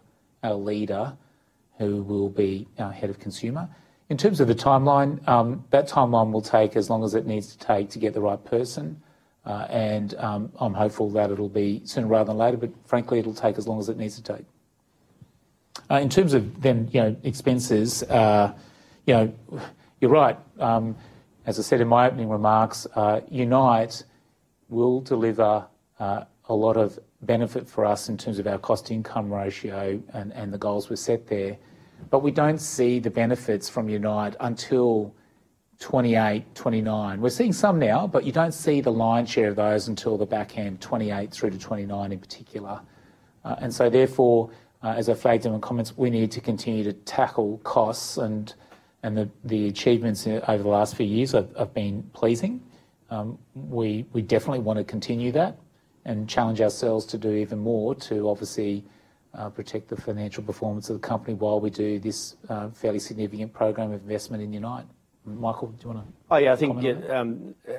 leader, who will be our Head of Consumer. In terms of the timeline, that timeline will take as long as it needs to take to get the right person. I'm hopeful that it'll be sooner rather than later, but frankly, it'll take as long as it needs to take. In terms of then expenses, you're right. As I said in my opening remarks, UNITE will deliver a lot of benefit for us in terms of our cost-to-income ratio and the goals we've set there. We don't see the benefits from UNITE until 2028, 2029. We're seeing some now, but you don't see the lion's share of those until the back end, 2028 through to 2029 in particular. Therefore, as I flagged in my comments, we need to continue to tackle costs and the achievements over the last few years have been pleasing. We definitely want to continue that and challenge ourselves to do even more to obviously protect the financial performance of the company while we do this fairly significant program of investment in UNITE. Michael, do you want to? Oh, yeah, I think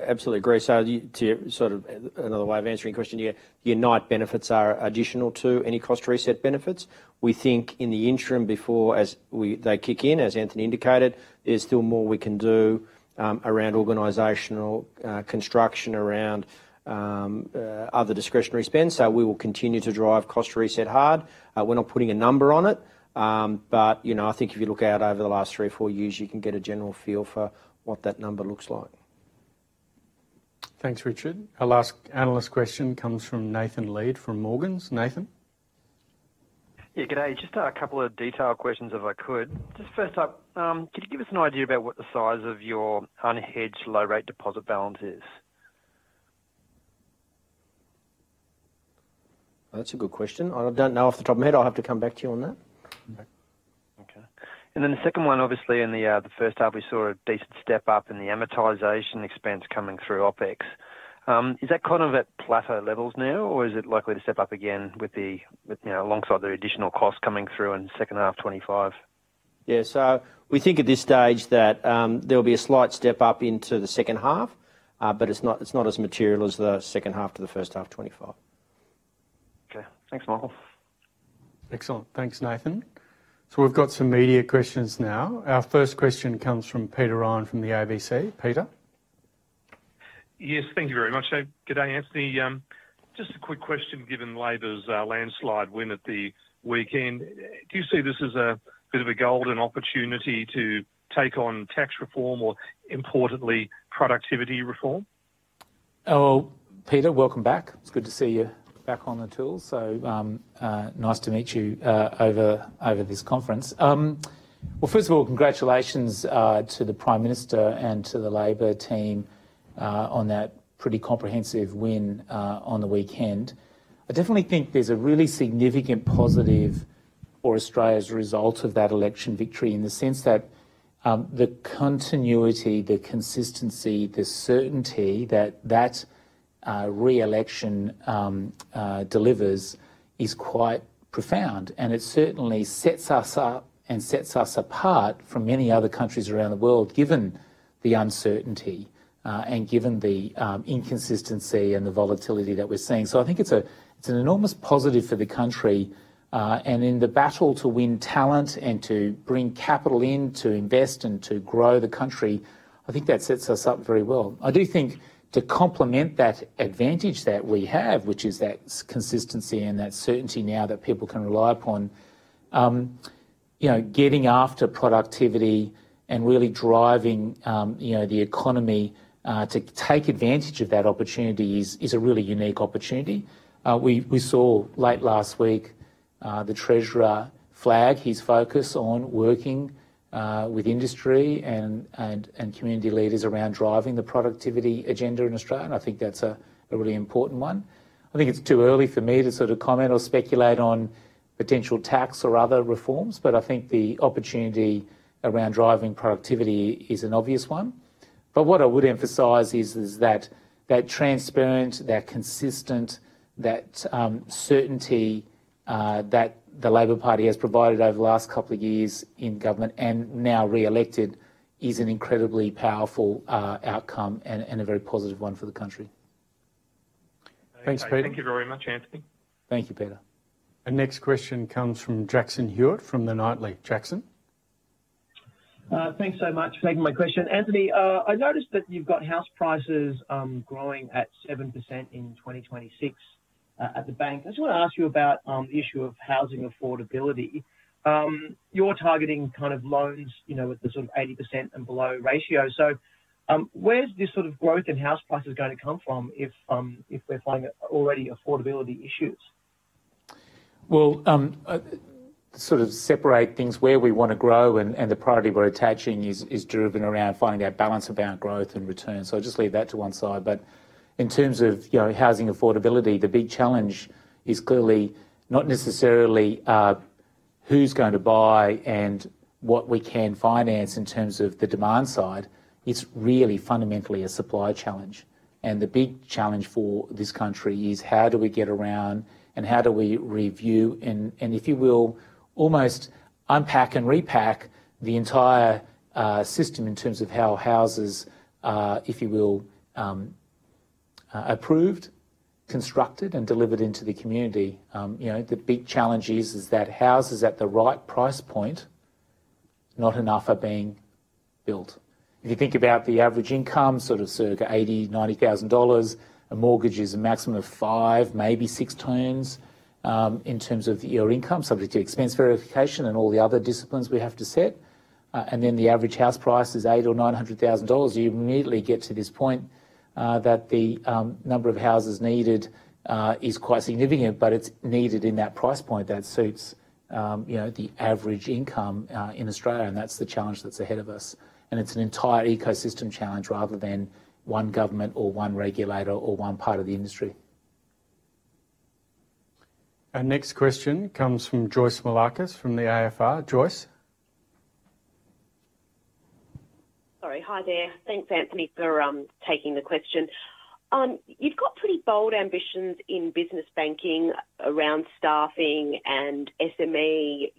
absolutely agree. Sort of another way of answering the question, UNITE benefits are additional to any cost reset benefits. We think in the interim before they kick in, as Anthony indicated, there's still more we can do around organizational construction, around other discretionary spend. We will continue to drive cost reset hard. We're not putting a number on it, but I think if you look out over the last three or four years, you can get a general feel for what that number looks like. Thanks, Richard. Our last analyst question comes from Nathan Lead from Morgans. Nathan? Yeah, good day. Just a couple of detailed questions if I could. Just first up, could you give us an idea about what the size of your unhedged low rate deposit balance is? That's a good question. I don't know off the top of my head. I'll have to come back to you on that. Okay. The second one, obviously, in the first half, we saw a decent step up in the amortization expense coming through OpEx. Is that kind of at plateau levels now, or is it likely to step up again alongside the additional cost coming through in the second half of 2025? Yeah, we think at this stage that there will be a slight step up into the second half, but it's not as material as the second half to the first half of 2025. Okay. Thanks, Michael. Excellent. Thanks, Nathan. We have some media questions now. Our first question comes from Peter Ryan from the ABC. Peter? Yes, thank you very much. Good day, Anthony. Just a quick question given Labour's landslide win at the weekend. Do you see this as a bit of a golden opportunity to take on tax reform or, importantly, productivity reform? Oh, Peter, welcome back. It's good to see you back on the tour. Nice to meet you over this conference. First of all, congratulations to the Prime Minister and to the Labour team on that pretty comprehensive win on the weekend. I definitely think there's a really significant positive for Australia as a result of that election victory in the sense that the continuity, the consistency, the certainty that that re-election delivers is quite profound. It certainly sets us up and sets us apart from many other countries around the world, given the uncertainty and given the inconsistency and the volatility that we're seeing. I think it's an enormous positive for the country. In the battle to win talent and to bring capital in to invest and to grow the country, I think that sets us up very well. I do think to complement that advantage that we have, which is that consistency and that certainty now that people can rely upon, getting after productivity and really driving the economy to take advantage of that opportunity is a really unique opportunity. We saw late last week the Treasurer flag his focus on working with industry and community leaders around driving the productivity agenda in Australia. I think that's a really important one. I think it's too early for me to sort of comment or speculate on potential tax or other reforms, but I think the opportunity around driving productivity is an obvious one. What I would emphasize is that transparency, that consistency, that certainty that the Labour Party has provided over the last couple of years in government and now re-elected is an incredibly powerful outcome and a very positive one for the country. Thanks, Peter. Thank you very much, Anthony. Thank you, Peter. Our next question comes from Jackson Hewett from The Nightly. Jackson. Thanks so much for making my question. Anthony, I noticed that you've got house prices growing at 7% in 2026 at the bank. I just want to ask you about the issue of housing affordability. You're targeting kind of loans with the sort of 80% and below ratio. Where's this sort of growth in house prices going to come from if we're finding already affordability issues? Sort of separate things where we want to grow and the priority we're attaching is driven around finding that balance of our growth and return. I'll just leave that to one side. In terms of housing affordability, the big challenge is clearly not necessarily who's going to buy and what we can finance in terms of the demand side. It's really fundamentally a supply challenge. The big challenge for this country is how do we get around and how do we review and, if you will, almost unpack and repack the entire system in terms of how houses, if you will, are approved, constructed, and delivered into the community. The big challenge is that houses at the right price point, not enough are being built. If you think about the average income, sort of circa 80,000-90,000 dollars, a mortgage is a maximum of five, maybe six turns in terms of your income, subject to expense verification and all the other disciplines we have to set. The average house price is 800,000-900,000 dollars. You immediately get to this point that the number of houses needed is quite significant, but it is needed in that price point that suits the average income in Australia. That is the challenge that is ahead of us. It is an entire ecosystem challenge rather than one government or one regulator or one part of the industry. Our next question comes from Joyce Moullakis from the AFR. Joyce? Sorry. Hi there. Thanks, Anthony, for taking the question. You have got pretty bold ambitions in business banking around staffing and SME,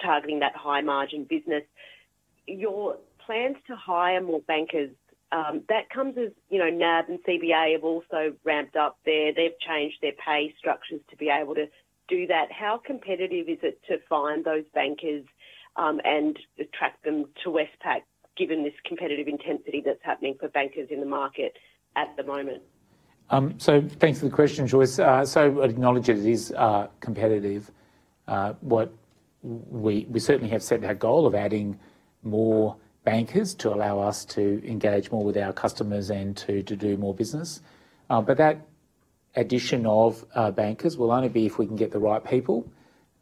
targeting that high margin business. Your plans to hire more bankers, that comes as NAB and CBA have also ramped up their. They've changed their pay structures to be able to do that. How competitive is it to find those bankers and attract them to Westpac, given this competitive intensity that's happening for bankers in the market at the moment? Thanks for the question, Joyce. I'd acknowledge it is competitive. We certainly have set that goal of adding more bankers to allow us to engage more with our customers and to do more business. That addition of bankers will only be if we can get the right people.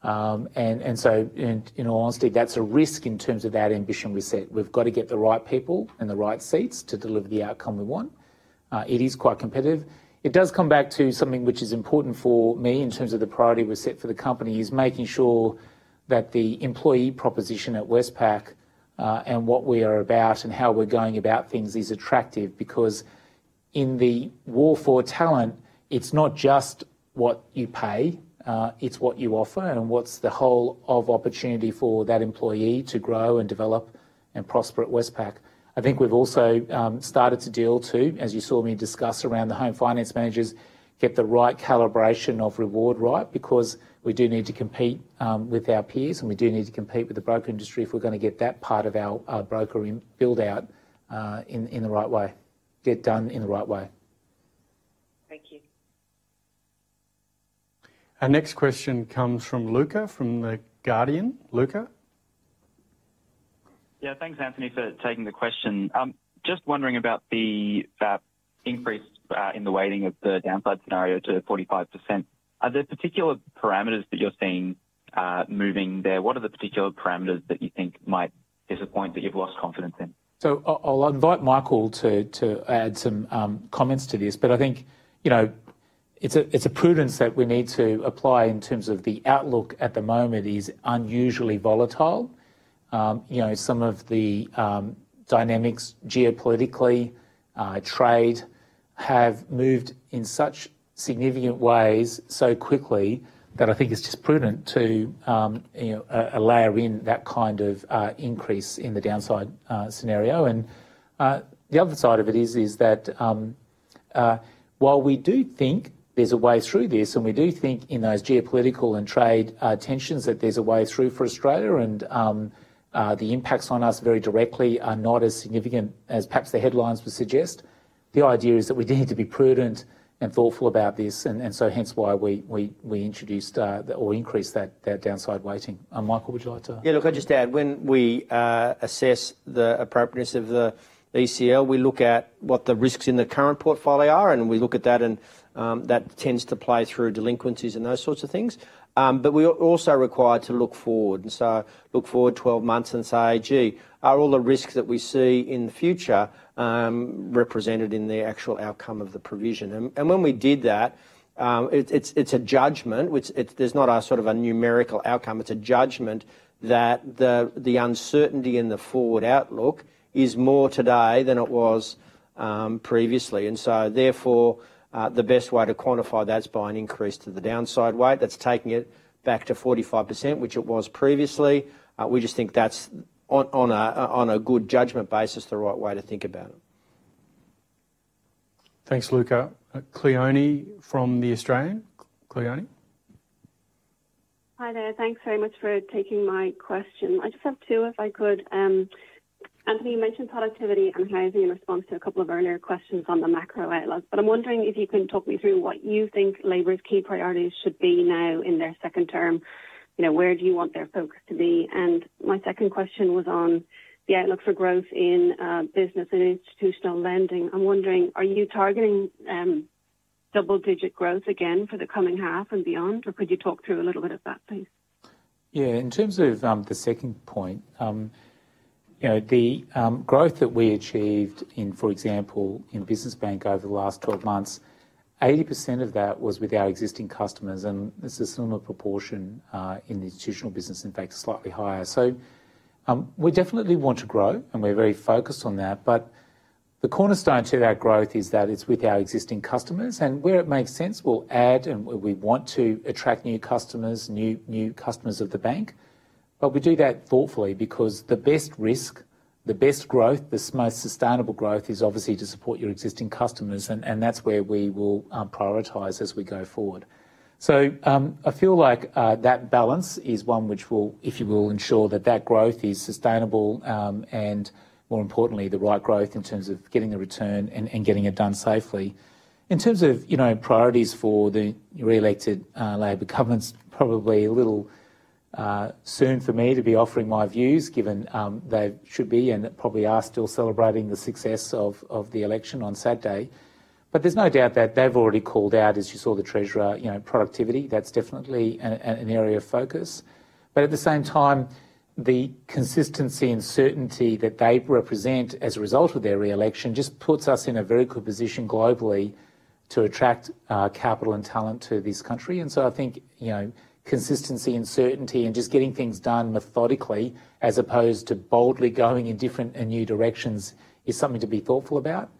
In all honesty, that's a risk in terms of that ambition we set. We've got to get the right people and the right seats to deliver the outcome we want. It is quite competitive. It does come back to something which is important for me in terms of the priority we've set for the company is making sure that the employee proposition at Westpac and what we are about and how we're going about things is attractive because in the war for talent, it's not just what you pay, it's what you offer and what's the whole of opportunity for that employee to grow and develop and prosper at Westpac. I think we've also started to deal too, as you saw me discuss around the home finance managers, get the right calibration of reward right because we do need to compete with our peers and we do need to compete with the broker industry if we're going to get that part of our broker build out in the right way, get done in the right way. Thank you. Our next question comes from Luca from the Guardian. Luca? Yeah, thanks, Anthony, for taking the question. Just wondering about the increase in the weighting of the downside scenario to 45%. Are there particular parameters that you're seeing moving there? What are the particular parameters that you think might disappoint that you've lost confidence in? I'll invite Michael to add some comments to this, but I think it's a prudence that we need to apply in terms of the outlook at the moment is unusually volatile. Some of the dynamics geopolitically, trade have moved in such significant ways so quickly that I think it's just prudent to allow in that kind of increase in the downside scenario. The other side of it is that while we do think there's a way through this and we do think in those geopolitical and trade tensions that there's a way through for Australia and the impacts on us very directly are not as significant as perhaps the headlines would suggest, the idea is that we need to be prudent and thoughtful about this. Hence why we introduced or increased that downside weighting. Michael, would you like to? Yeah, look, I just add when we assess the appropriateness of the ECL, we look at what the risks in the current portfolio are and we look at that and that tends to play through delinquencies and those sorts of things. We are also required to look forward and so look forward 12 months and say, "Gee, are all the risks that we see in the future represented in the actual outcome of the provision?" When we did that, it's a judgment. There's not a sort of a numerical outcome. It's a judgment that the uncertainty in the forward outlook is more today than it was previously. Therefore, the best way to quantify that is by an increase to the downside weight. That's taking it back to 45%, which it was previously. We just think that's on a good judgment basis, the right way to think about it. Thanks, Luca. Cliona from the Australian. Cliona? Hi there. Thanks very much for taking my question. I just have two if I could. Anthony, you mentioned productivity and housing in response to a couple of earlier questions on the macro outlook, but I'm wondering if you can talk me through what you think Labour's key priorities should be now in their second term. Where do you want their focus to be? My second question was on the outlook for growth in business and institutional lending. I'm wondering, are you targeting double-digit growth again for the coming half and beyond, or could you talk through a little bit of that, please? Yeah, in terms of the second point, the growth that we achieved in, for example, in business bank over the last 12 months, 80% of that was with our existing customers. This is a similar proportion in the institutional business, in fact, slightly higher. We definitely want to grow and we're very focused on that. The cornerstone to that growth is that it's with our existing customers. Where it makes sense, we'll add and we want to attract new customers, new customers of the bank. We do that thoughtfully because the best risk, the best growth, the most sustainable growth is obviously to support your existing customers. That's where we will prioritize as we go forward. I feel like that balance is one which will, if you will, ensure that growth is sustainable and, more importantly, the right growth in terms of getting the return and getting it done safely. In terms of priorities for the re-elected Labour government, it's probably a little soon for me to be offering my views given they should be and probably are still celebrating the success of the election on Saturday. There is no doubt that they have already called out, as you saw the Treasurer, productivity. That is definitely an area of focus. At the same time, the consistency and certainty that they represent as a result of their re-election just puts us in a very good position globally to attract capital and talent to this country. I think consistency and certainty and just getting things done methodically as opposed to boldly going in different and new directions is something to be thoughtful about.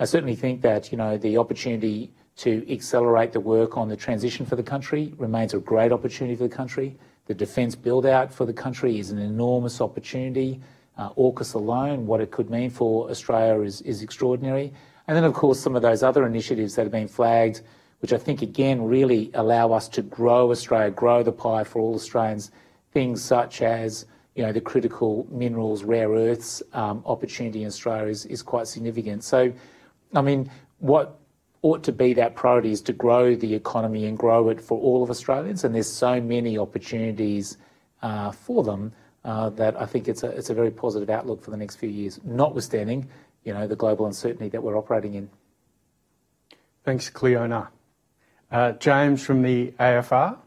I certainly think that the opportunity to accelerate the work on the transition for the country remains a great opportunity for the country. The defense build out for the country is an enormous opportunity. AUKUS alone, what it could mean for Australia is extraordinary. Of course, some of those other initiatives that have been flagged, which I think, again, really allow us to grow Australia, grow the pie for all Australians, things such as the critical minerals, rare earths opportunity in Australia is quite significant. I mean, what ought to be that priority is to grow the economy and grow it for all of Australians. There are so many opportunities for them that I think it's a very positive outlook for the next few years, notwithstanding the global uncertainty that we're operating in. Thanks, Cliona. James from the AFR.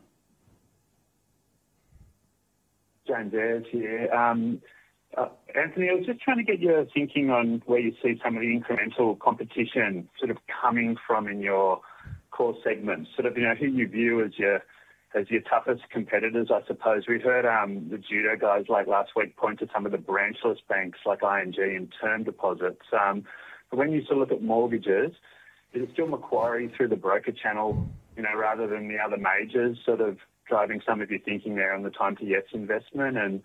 James here. Anthony, I was just trying to get your thinking on where you see some of the incremental competition sort of coming from in your core segments, sort of who you view as your toughest competitors, I suppose. We heard the Judo guys last week point to some of the branchless banks like ING and term deposits. But when you sort of look at mortgages, is it still Macquarie through the broker channel rather than the other majors sort of driving some of your thinking there on the time-to-yet investment? And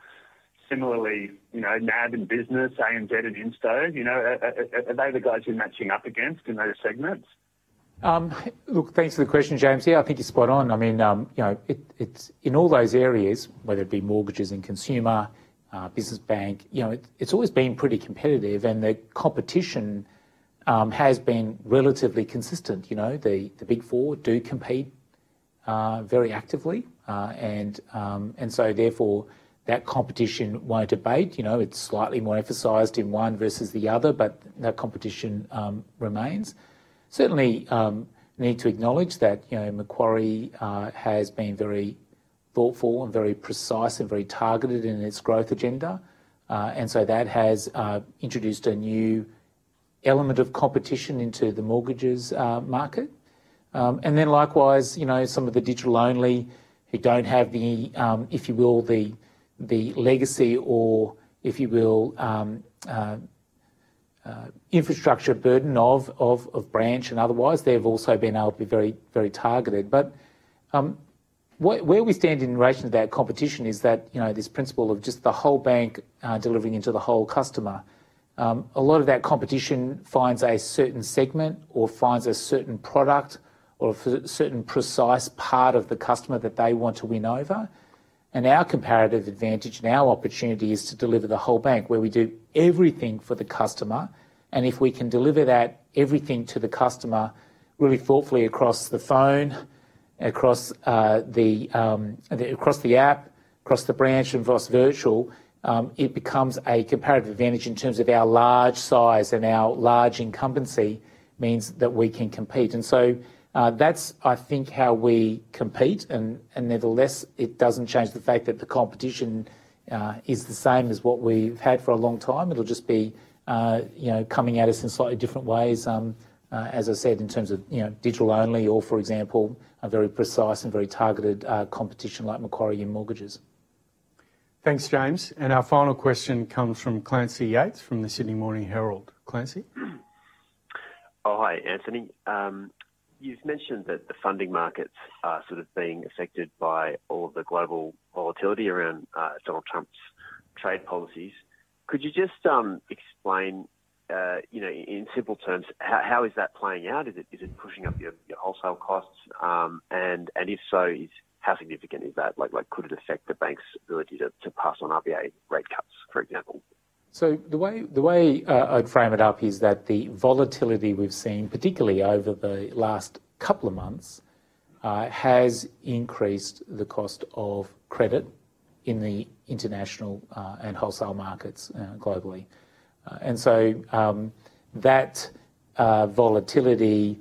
similarly, NAB and business, ANZ and Insto, are they the guys you're matching up against in those segments? Look, thanks for the question, James. Yeah, I think you're spot on. I mean, in all those areas, whether it be mortgages and consumer, business bank, it's always been pretty competitive and the competition has been relatively consistent. The Big Four do compete very actively. And so therefore, that competition won't abate. It's slightly more emphasised in one versus the other, but that competition remains. Certainly, we need to acknowledge that Macquarie has been very thoughtful and very precise and very targeted in its growth agenda. That has introduced a new element of competition into the mortgages market. Likewise, some of the digital-only who do not have the, if you will, the legacy or, if you will, infrastructure burden of branch and otherwise, they have also been able to be very targeted. Where we stand in relation to that competition is that this principle of just the whole bank delivering into the whole customer. A lot of that competition finds a certain segment or finds a certain product or a certain precise part of the customer that they want to win over. Our comparative advantage now, opportunity is to deliver the whole bank where we do everything for the customer. If we can deliver that everything to the customer really thoughtfully across the phone, across the app, across the branch and vice versa, it becomes a comparative advantage in terms of our large size and our large incumbency means that we can compete. I think that's how we compete. Nevertheless, it doesn't change the fact that the competition is the same as what we've had for a long time. It'll just be coming at us in slightly different ways, as I said, in terms of digital-only or, for example, a very precise and very targeted competition like Macquarie in mortgages. Thanks, James. Our final question comes from Clancy Yeates from the Sydney Morning Herald. Clancy? Hi, Anthony. You've mentioned that the funding markets are sort of being affected by all of the global volatility around Donald Trump's trade policies. Could you just explain in simple terms how is that playing out? Is it pushing up your wholesale costs? If so, how significant is that? Could it affect the bank's ability to pass on RBA rate cuts, for example? The way I'd frame it up is that the volatility we've seen, particularly over the last couple of months, has increased the cost of credit in the international and wholesale markets globally. That volatility,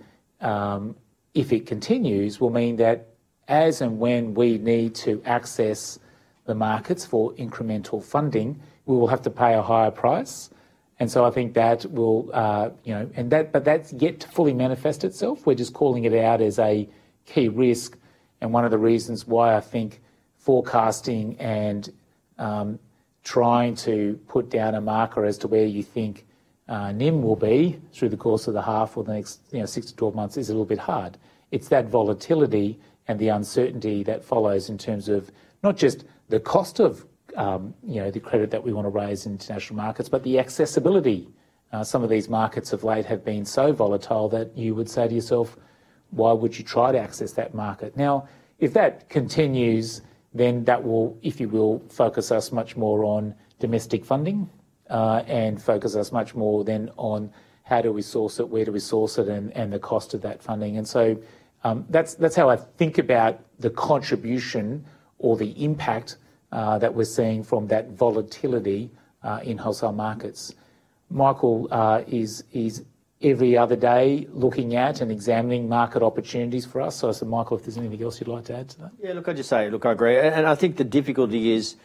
if it continues, will mean that as and when we need to access the markets for incremental funding, we will have to pay a higher price. I think that will, but that's yet to fully manifest itself. We're just calling it out as a key risk. One of the reasons why I think forecasting and trying to put down a marker as to where you think NIM will be through the course of the half or the next 6 to 12 months is a little bit hard. It's that volatility and the uncertainty that follows in terms of not just the cost of the credit that we want to raise in international markets, but the accessibility. Some of these markets of late have been so volatile that you would say to yourself, "Why would you try to access that market?" If that continues, then that will, if you will, focus us much more on domestic funding and focus us much more then on how do we source it, where do we source it, and the cost of that funding. That's how I think about the contribution or the impact that we're seeing from that volatility in wholesale markets. Michael is every other day looking at and examining market opportunities for us. SoMichael, if there's anything else you'd like to add to that? Yeah, look, I just say, "Look, I agree." I think the difficulty is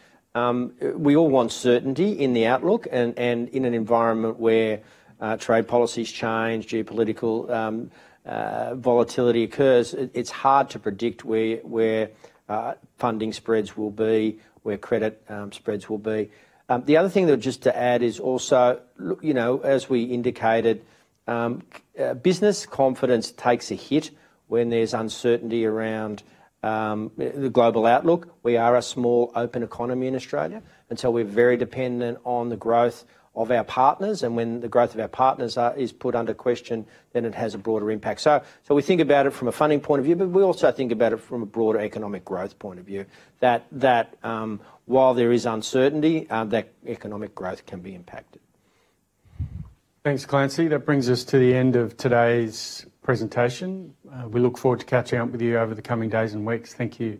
we all want certainty in the outlook and in an environment where trade policies change, geopolitical volatility occurs, it's hard to predict where funding spreads will be, where credit spreads will be. The other thing to add is also, as we indicated, business confidence takes a hit when there's uncertainty around the global outlook. We are a small open economy in Australia. We are very dependent on the growth of our partners. When the growth of our partners is put under question, then it has a broader impact. We think about it from a funding point of view, but we also think about it from a broader economic growth point of view, that while there is uncertainty, that economic growth can be impacted. Thanks, Clancy. That brings us to the end of today's presentation. We look forward to catching up with you over the coming days and weeks. Thank you.